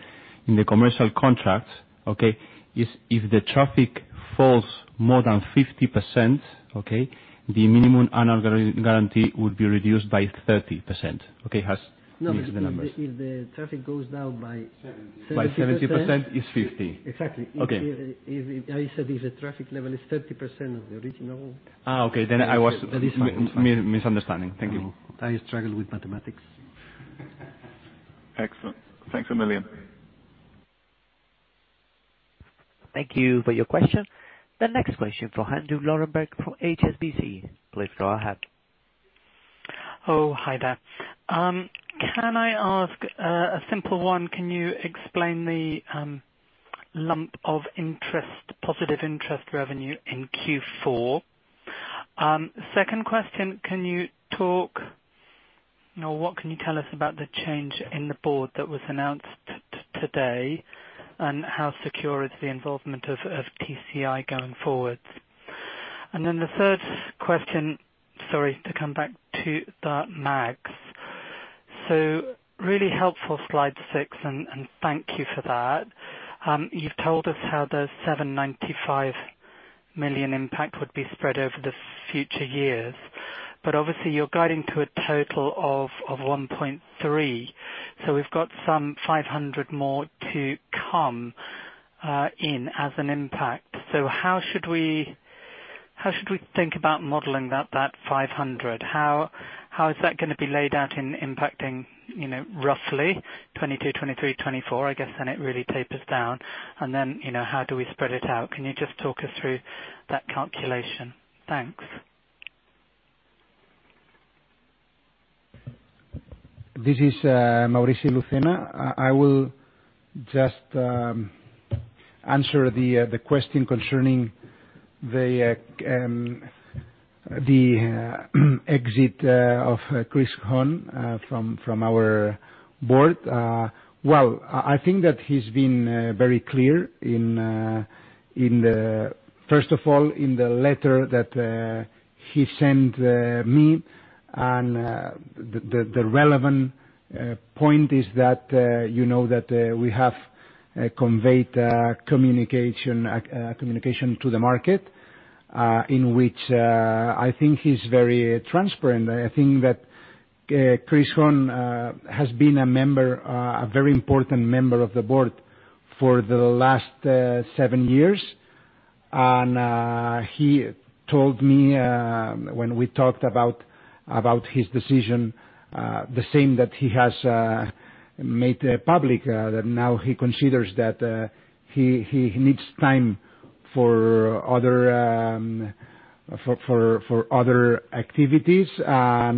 in the commercial contract, okay? If the traffic falls more than 50%, okay, the minimum annual guarantee would be reduced by 30%, okay? Has mixed the numbers. No, if the traffic goes down by. Seventy. 70%. By 70% is 50. Exactly. Okay. I said if the traffic level is 30% of the original. Okay. That is fine. Misunderstanding. Thank you. I struggle with mathematics. Excellent. Thanks a million. Thank you for your question. The next question from Andrew Lobbenberg from HSBC. Please go ahead. Hi there. Can I ask a simple one? Can you explain the lump of interest positive interest revenue in Q4? Second question, can you talk now. What can you tell us about the change in the board that was announced today, and how secure is the involvement of TCI going forward? Then the third question, sorry to come back to the MAGs. Really helpful slide 6, and thank you for that. You've told us how the 795 million impact would be spread over the future years, but obviously you're guiding to a total of 1.3 billion. We've got some 500 million more to come in as an impact. How should we think about modeling that 500 million? How is that gonna be laid out, impacting, you know, roughly 2022, 2023, 2024, I guess, then it really tapers down, and then, you know, how do we spread it out? Can you just talk us through that calculation? Thanks. This is Maurici Lucena. I will just answer the question concerning the exit of Christopher Hohn from our board. Well, I think that he's been very clear. First of all, in the letter that he sent me and the relevant point is that, you know, we have conveyed communication to the market in which I think he's very transparent. I think that Christopher Hohn has been a member, a very important member of the board for the last seven years. He told me, when we talked about his decision, the same that he has made public, that now he considers that he needs time for other activities. At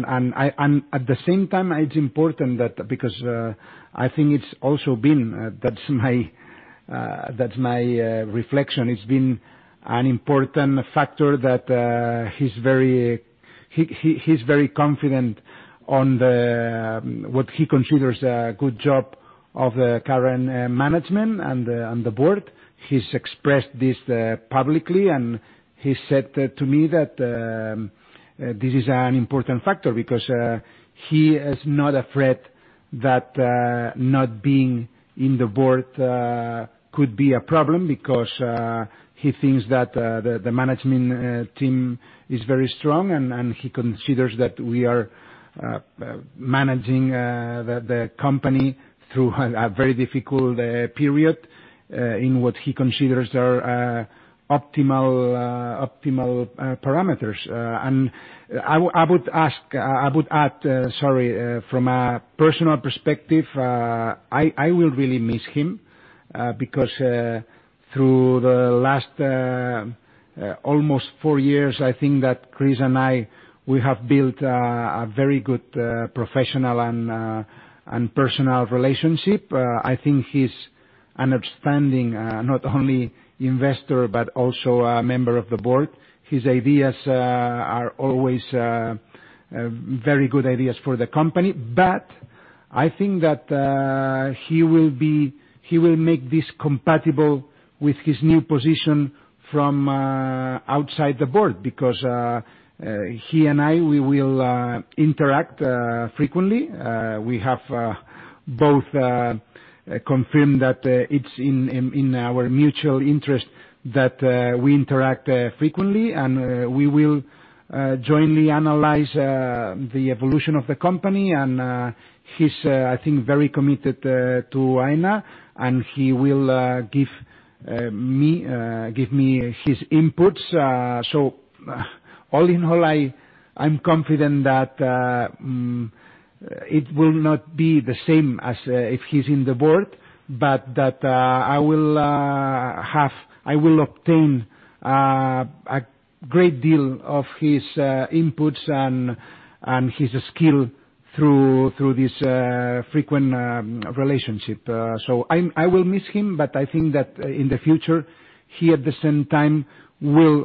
the same time, it's important that, because I think it's also been. That's my reflection. It's been an important factor that he's very confident on what he considers a good job of the current management and the board. He's expressed this publicly, and he said to me that this is an important factor because he is not afraid that not being in the board could be a problem because he thinks that the management team is very strong and he considers that we are managing the company through a very difficult period in what he considers are optimal parameters. I would add, sorry, from a personal perspective, I will really miss him because through the last almost four years, I think that Chris and I, we have built a very good professional and personal relationship. I think he's an outstanding not only investor but also a member of the board. His ideas are always very good ideas for the company, but I think that he will make this compatible with his new position from outside the board because he and I, we will interact frequently. We have both confirmed that it's in our mutual interest that we interact frequently and we will jointly analyze the evolution of the company. He's, I think, very committed to Aena, and he will give. Let me get his inputs. All in all, I'm confident that it will not be the same as if he's on the board, but that I will obtain a great deal of his inputs and his skill through this frequent relationship. I will miss him, but I think that in the future, he at the same time will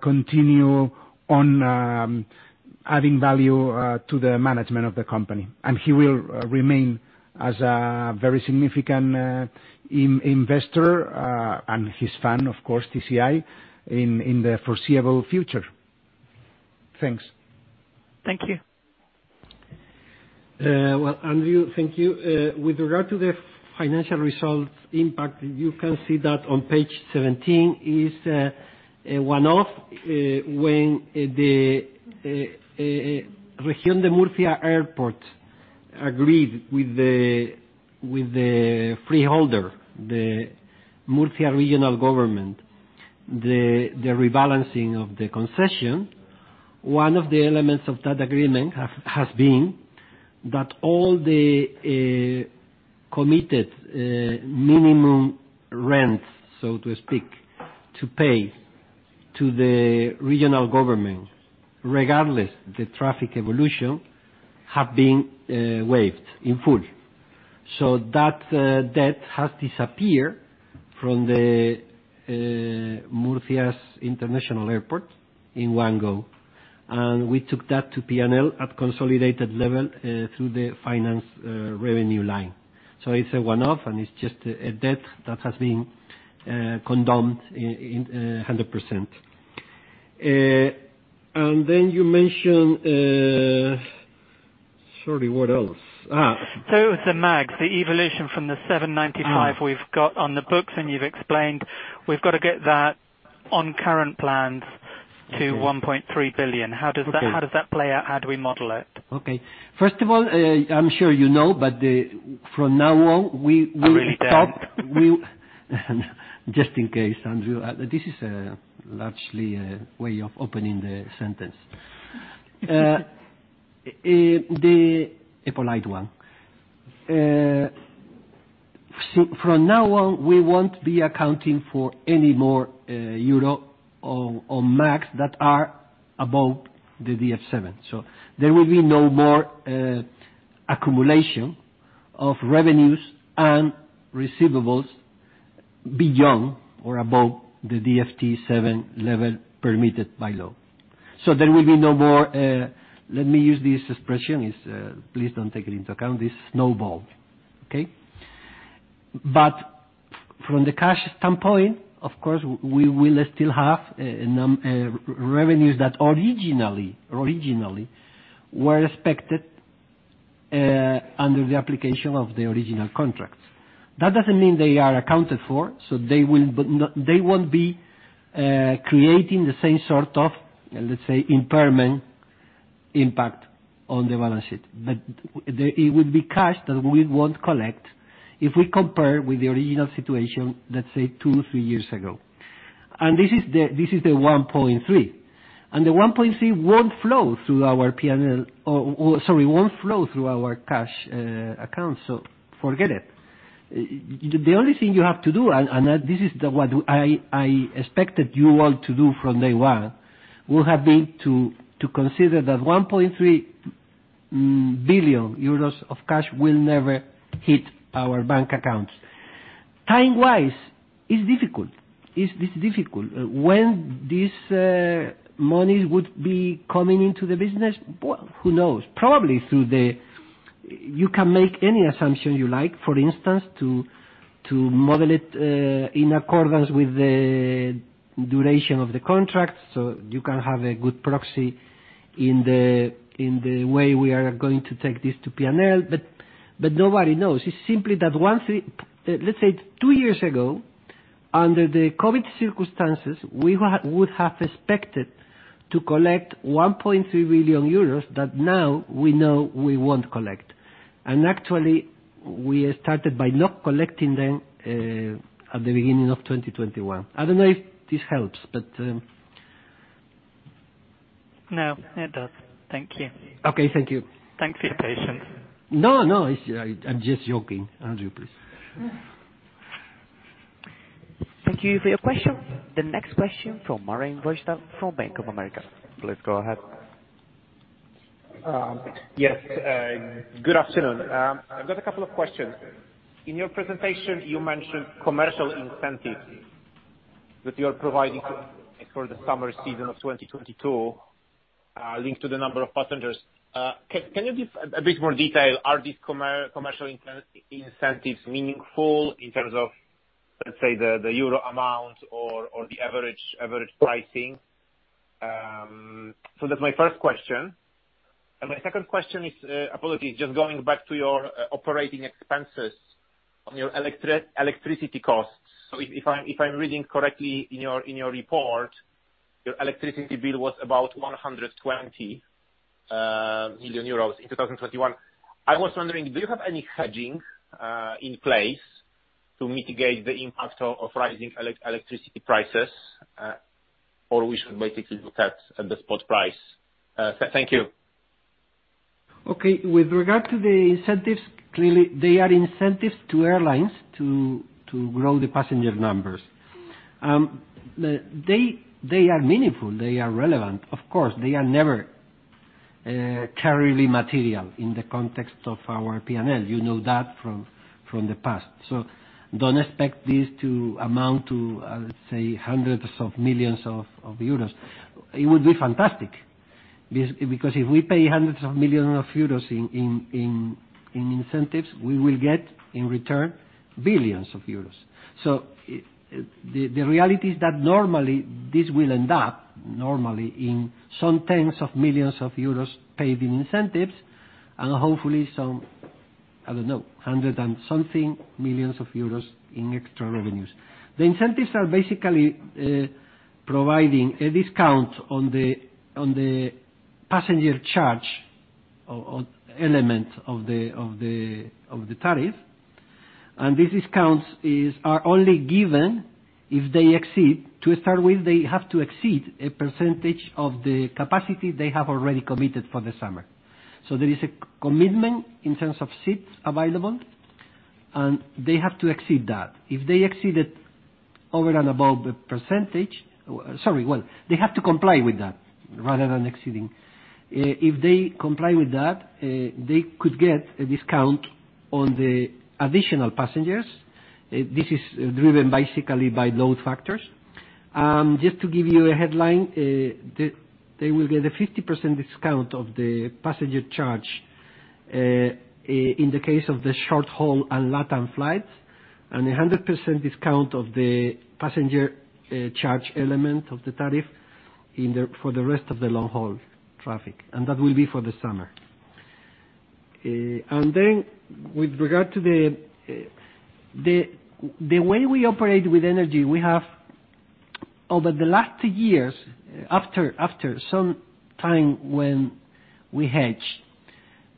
continue on adding value to the management of the company. He will remain as a very significant investor and his firm, of course, TCI, in the foreseeable future. Thanks. Thank you. Well, Andrew, thank you. With regard to the financial results impact, you can see that on page 17 is a one-off when the Región de Murcia International Airport agreed with the freeholder, the Government of the Region of Murcia, the rebalancing of the concession. One of the elements of that agreement has been that all the committed minimum rent, so to speak, to pay to the regional government, regardless the traffic evolution, has been waived in full. That debt has disappeared from the Región de Murcia International Airport in one go. We took that to P&L at consolidated level through the finance revenue line. It's a one-off, and it's just a debt that has been condoned in 100%. Then you mentioned. Sorry, what else? It was the MAGs, the evolution from the 795. Ah. We've got on the books, and you've explained we've got to get that on current plans to 1.3 billion. Okay. How does that play out? How do we model it? Okay. First of all, I'm sure you know, but, from now on, we. I really don't. We'll talk. Just in case, Andrew, this is largely a way of opening the sentence. A polite one. From now on, we won't be accounting for any more euros on MAGs that are above the DF7. There will be no more accumulation of revenues and receivables beyond or above the DF7 level permitted by law. There will be no more. Let me use this expression. Please don't take it into account, this snowball. Okay. From the cash standpoint, of course, we will still have revenues that originally were expected under the application of the original contracts. That doesn't mean they are accounted for, so they won't be creating the same sort of, let's say, impairment impact on the balance sheet. But the, it would be cash that we won't collect if we compare with the original situation, let's say, two, three years ago. This is the 1.3. The 1.3 won't flow through our P&L. Sorry, won't flow through our cash account, so forget it. The only thing you have to do, this is the one I expected you all to do from day one, will have been to consider that 1.3 billion euros of cash will never hit our bank accounts. Time-wise, it's difficult. When this money would be coming into the business, well, who knows? Probably through the You can make any assumption you like, for instance, to model it in accordance with the duration of the contract, so you can have a good proxy in the way we are going to take this to P&L, but nobody knows. It's simply that. Let's say two years ago, under the COVID circumstances, we would have expected to collect 1.3 billion euros that now we know we won't collect. Actually, we started by not collecting them at the beginning of 2021. I don't know if this helps, but No, it does. Thank you. Okay, thank you. Thanks for your patience. No, no. It's, I'm just joking, Andrew, please. Thank you for your question. The next question from Marcin Wojtal from Bank of America. Please go ahead. Yes. Good afternoon. I've got a couple of questions. In your presentation, you mentioned commercial incentives that you are providing for the summer season of 2022, linked to the number of passengers. Can you give a bit more detail? Are these commercial incentives meaningful in terms of, let's say, the euro amount or the average pricing? So that's my first question. My second question is, apologies, just going back to your operating expenses on your electricity costs. If I'm reading correctly in your report, your electricity bill was about 120 million euros in 2021. I was wondering, do you have any hedging in place to mitigate the impact of rising electricity prices? Or we should basically look at the spot price. Thank you. With regard to the incentives, clearly they are incentives to airlines to grow the passenger numbers. They are meaningful, they are relevant. Of course, they never carry material in the context of our P&L. You know that from the past. Don't expect this to amount to, let's say hundreds of millions of EUR. It would be fantastic because if we pay hundreds of millions of EUR in incentives, we will get in return billions of EUR. The reality is that normally this will end up in some tens of millions of EUR paid in incentives and hopefully some, I don't know, hundred and something millions of EUR in extra revenues. The incentives are basically providing a discount on the passenger charge or element of the tariff. These discounts are only given if they exceed a percentage of the capacity they have already committed for the summer, to start with. There is a commitment in terms of seats available, and they have to exceed that. They have to comply with that rather than exceeding. If they comply with that, they could get a discount on the additional passengers. This is driven basically by load factors. Just to give you a headline, they will get a 50% discount of the passenger charge in the case of the short-haul and LATAM flights, and a 100% discount of the passenger charge element of the tariff in the for the rest of the long-haul traffic. That will be for the summer. With regard to the way we operate with energy, we have over the last years, after some time when we hedge,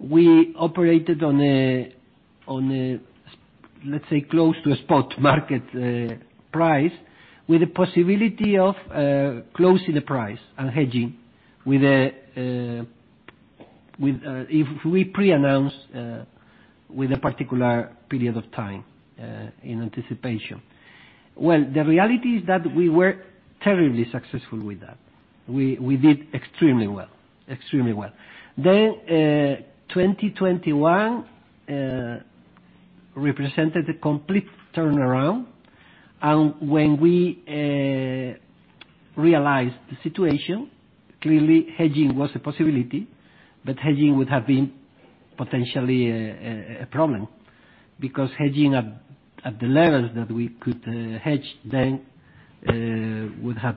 we operated on a, let's say, close to a spot market price with the possibility of closing the price and hedging with a if we pre-announce with a particular period of time in anticipation. Well, the reality is that we were terribly successful with that. We did extremely well. 2021 represented a complete turnaround. When we realized the situation, clearly hedging was a possibility, but hedging would have been potentially a problem because hedging at the levels that we could hedge then would have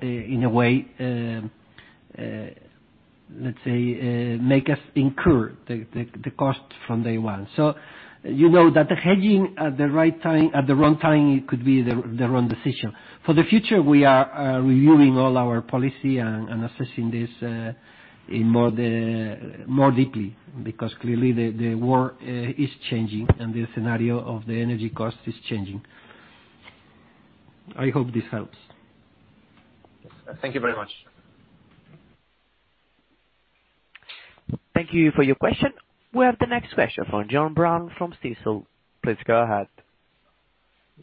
in a way, let's say, make us incur the cost from day one. You know that hedging at the right time, at the wrong time, it could be the wrong decision. For the future, we are reviewing all our policy and assessing this more deeply because clearly the world is changing and the scenario of the energy cost is changing. I hope this helps. Thank you very much. Thank you for your question. We have the next question from Graham Hunt from Jefferies. Please go ahead.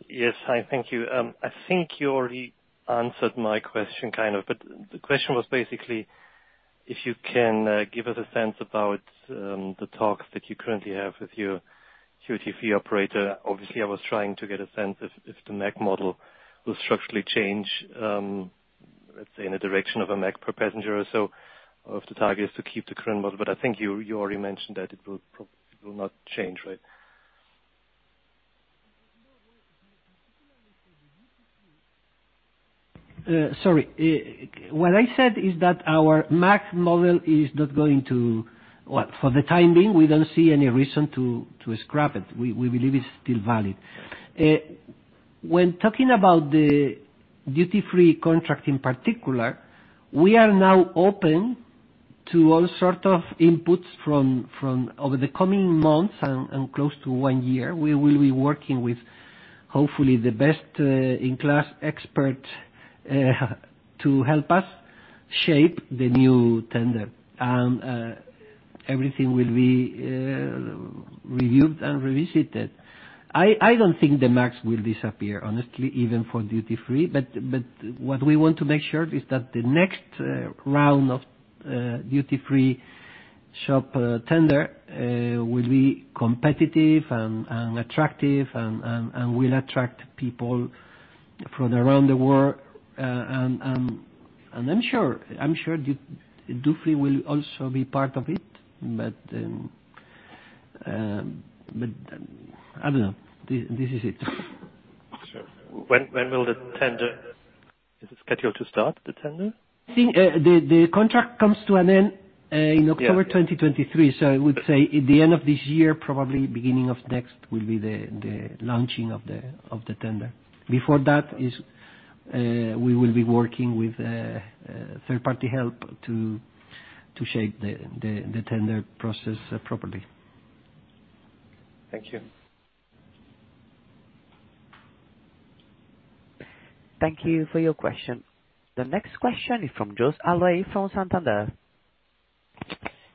Yes. Hi, thank you. I think you already answered my question kind of, but the question was basically if you can give us a sense about the talks that you currently have with your duty-free operator. Obviously, I was trying to get a sense if the MAG model will structurally change, let's say in the direction of a MAG per passenger. If the target is to keep the current model, but I think you already mentioned that it will not change, right? What I said is that our MAG model is not going to. Well, for the time being, we don't see any reason to scrap it. We believe it's still valid. When talking about the duty-free contract in particular, we are now open to all sort of inputs from. Over the coming months and close to one year, we will be working with, hopefully the best in-class expert to help us shape the new tender. Everything will be reviewed and revisited. I don't think the MAGs will disappear, honestly, even for duty-free. What we want to make sure is that the next round of duty-free shop tender will be competitive and attractive and will attract people from around the world. I'm sure Dufry will also be part of it, but I don't know. This is it. Sure. When will the tender? Is it scheduled to start, the tender? I think, the contract comes to an end. Yeah. in October 2023. I would say at the end of this year, probably beginning of next will be the launching of the tender. Before that, we will be working with third party help to shape the tender process properly. Thank you. Thank you for your question. The next question is from José Manuel Arroyas from Santander.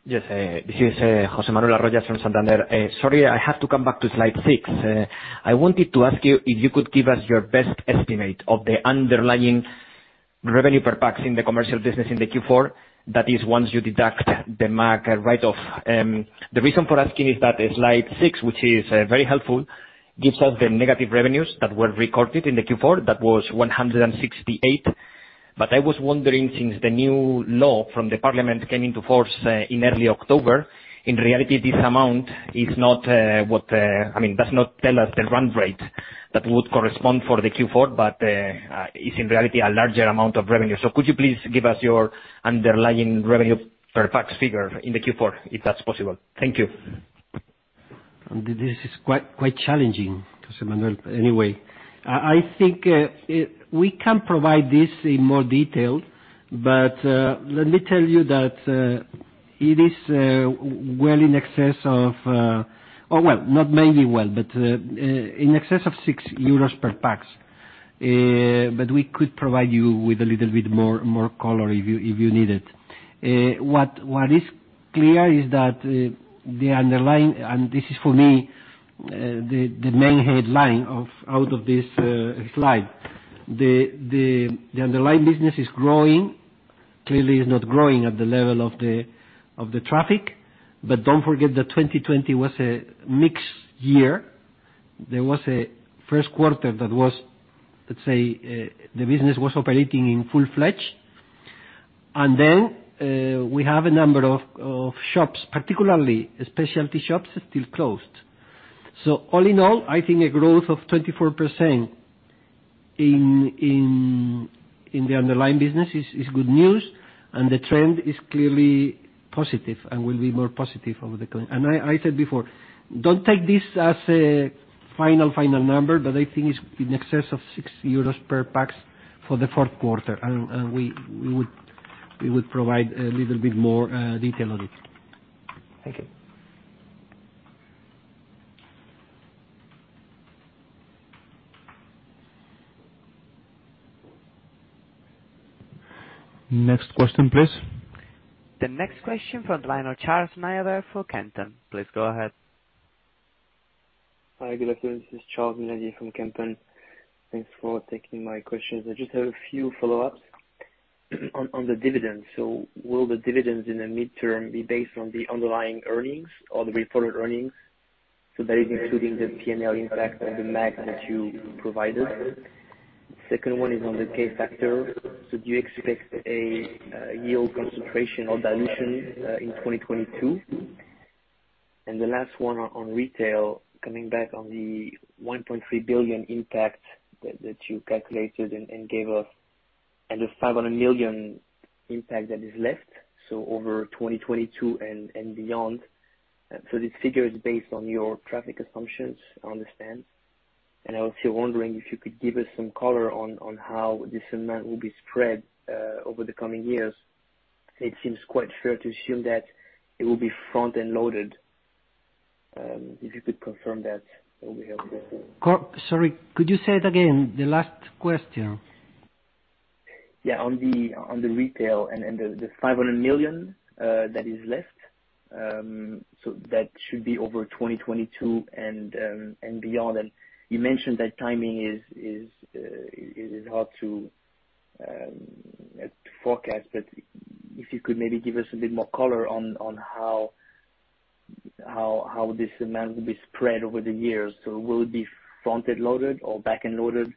Yes. This is José Manuel Arroyas from Santander. Sorry, I have to come back to slide six. I wanted to ask you if you could give us your best estimate of the underlying revenue per pax in the commercial business in Q4, that is once you deduct the MAG write-off. The reason for asking is that slide six, which is very helpful, gives us the negative revenues that were recorded in Q4. That was -168. I was wondering, since the new law from the parliament came into force in early October, in reality, this amount is not, I mean, does not tell us the run rate that would correspond for Q4, but is in reality a larger amount of revenue. Could you please give us your underlying revenue per pax figure in the Q4, if that's possible? Thank you. This is quite challenging, José Manuel. Anyway, I think we can provide this in more detail, but let me tell you that it is well in excess of. Oh, well, not maybe well, but in excess of 6 euros per pax. But we could provide you with a little bit more color if you need it. What is clear is that the underlying, and this is for me the main headline out of this slide. The underlying business is growing. Clearly is not growing at the level of the traffic. Don't forget that 2020 was a mixed year. There was a first quarter that was, let's say, the business was operating in full-fledged. We have a number of shops, particularly specialty shops, still closed. All in all, I think a growth of 24% in the underlying business is good news, and the trend is clearly positive and will be more positive over the current. I said before, don't take this as a final number, but I think it's in excess of 6 euros per pax for the fourth quarter. We would provide a little bit more detail on it. Thank you. Next question, please. The next question from Charles Maynadier for Kempen. Please go ahead. Hi. Good afternoon, this is Charles Maynadier from Kempen. Thanks for taking my questions. I just have a few follow-ups on the dividends. Will the dividends in the medium term be based on the underlying earnings or the reported earnings, so that is including the P&L impact of the MAG that you provided? Second one is on the K factor. Do you expect a yield concentration or dilution in 2022? The last one on retail, coming back on the 1.3 billion impact that you calculated and gave us, and the 500 million impact that is left, so over 2022 and beyond. This figure is based on your traffic assumptions, I understand. I was still wondering if you could give us some color on how this amount will be spread over the coming years. It seems quite fair to assume that it will be front-end loaded. If you could confirm that would be helpful. Could you say it again, the last question? Yeah. On the retail and the 500 million that is left, so that should be over 2022 and beyond. You mentioned that timing is hard to forecast. But if you could maybe give us a bit more color on how this amount will be spread over the years. Will it be front-loaded or back-loaded,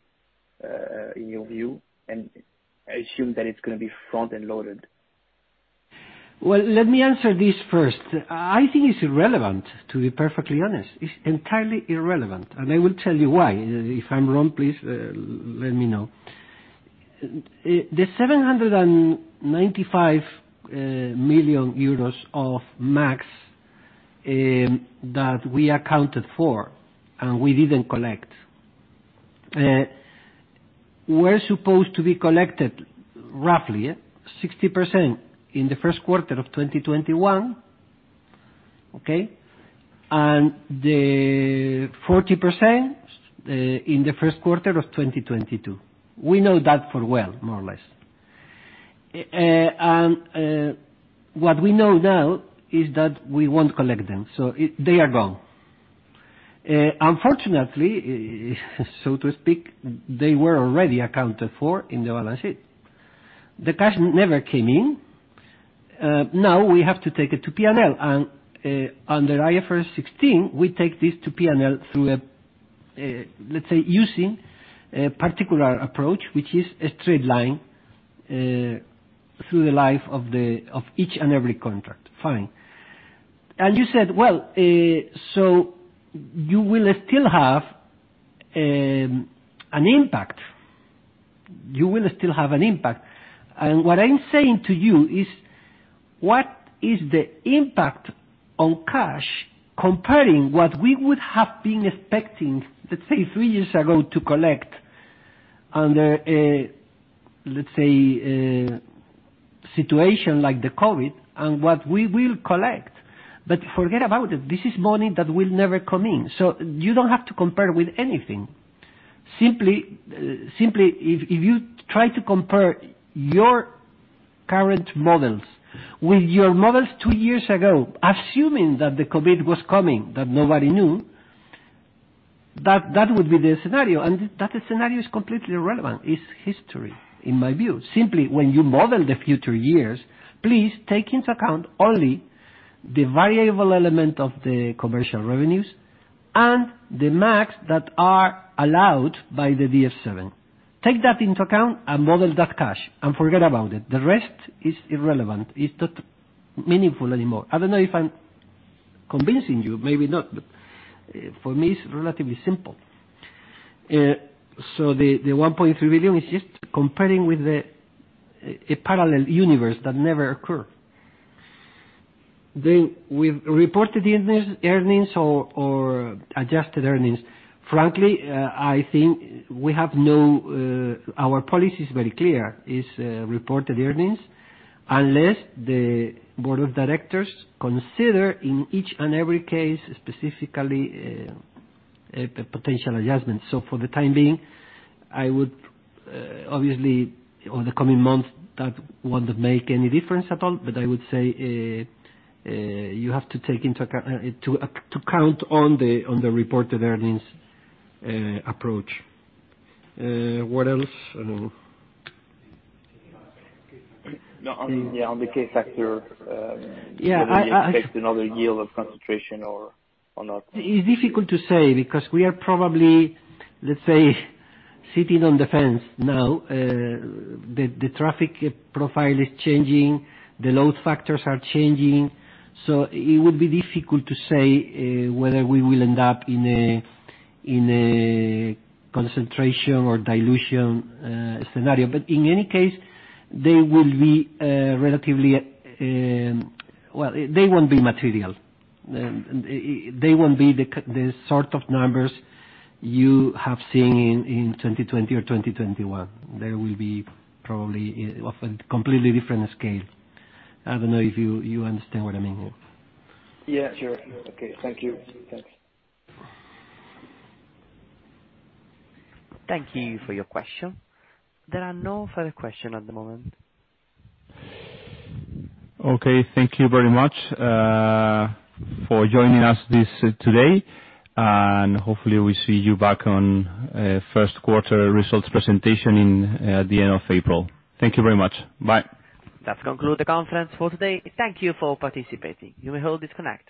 in your view? I assume that it's gonna be front-loaded. Well, let me answer this first. I think it's irrelevant, to be perfectly honest. It's entirely irrelevant, and I will tell you why. If I'm wrong, please let me know. The 795 million euros of MAGs that we accounted for and we didn't collect were supposed to be collected roughly 60% in the first quarter of 2021. Okay? The 40% in the first quarter of 2022. We know that full well, more or less. What we know now is that we won't collect them. They are gone. Unfortunately, so to speak, they were already accounted for in the balance sheet. The cash never came in. Now we have to take it to P&L. Under IFRS 16, we take this to P&L through a, let's say, using a particular approach, which is a straight line through the life of each and every contract. Fine. You said, well, you will still have an impact. You will still have an impact. What I'm saying to you is what is the impact on cash comparing what we would have been expecting, let's say three years ago, to collect under a, let's say, a situation like the COVID and what we will collect. Forget about it. This is money that will never come in. You don't have to compare with anything. Simply if you try to compare your current models with your models two years ago, assuming that the COVID was coming, that nobody knew, that would be the scenario. That scenario is completely irrelevant. It's history, in my view. Simply, when you model the future years, please take into account only the variable element of the commercial revenues and the MAGs that are allowed by the DF7. Take that into account and model that cash and forget about it. The rest is irrelevant. It's not meaningful anymore. I don't know if I'm convincing you, maybe not, but for me it's relatively simple. The 1.3 billion is just comparing with a parallel universe that never occur. Then with reported earnings or adjusted earnings. Frankly, I think our policy is very clear. It's reported earnings, unless the board of directors consider in each and every case, specifically, a potential adjustment. For the time being, I would obviously, over the coming month, that wouldn't make any difference at all. I would say you have to take into account the reported earnings approach. What else? I don't know. No. On, yeah, on the factor K. Yeah. Do you expect another yield concentration or not? It's difficult to say, because we are probably, let's say, sitting on the fence now. The traffic profile is changing, the load factors are changing. It would be difficult to say whether we will end up in a concentration or dilution scenario. In any case, they will be relatively. Well, they won't be material. They won't be the sort of numbers you have seen in 2020 or 2021. They will be probably of a completely different scale. I don't know if you understand what I mean here. Yeah, sure. Okay. Thank you. Thanks. Thank you for your question. There are no further questions at the moment. Okay. Thank you very much for joining us today. Hopefully we see you back on first quarter results presentation in the end of April. Thank you very much. Bye. That conclude the conference for today. Thank you for participating. You may all disconnect.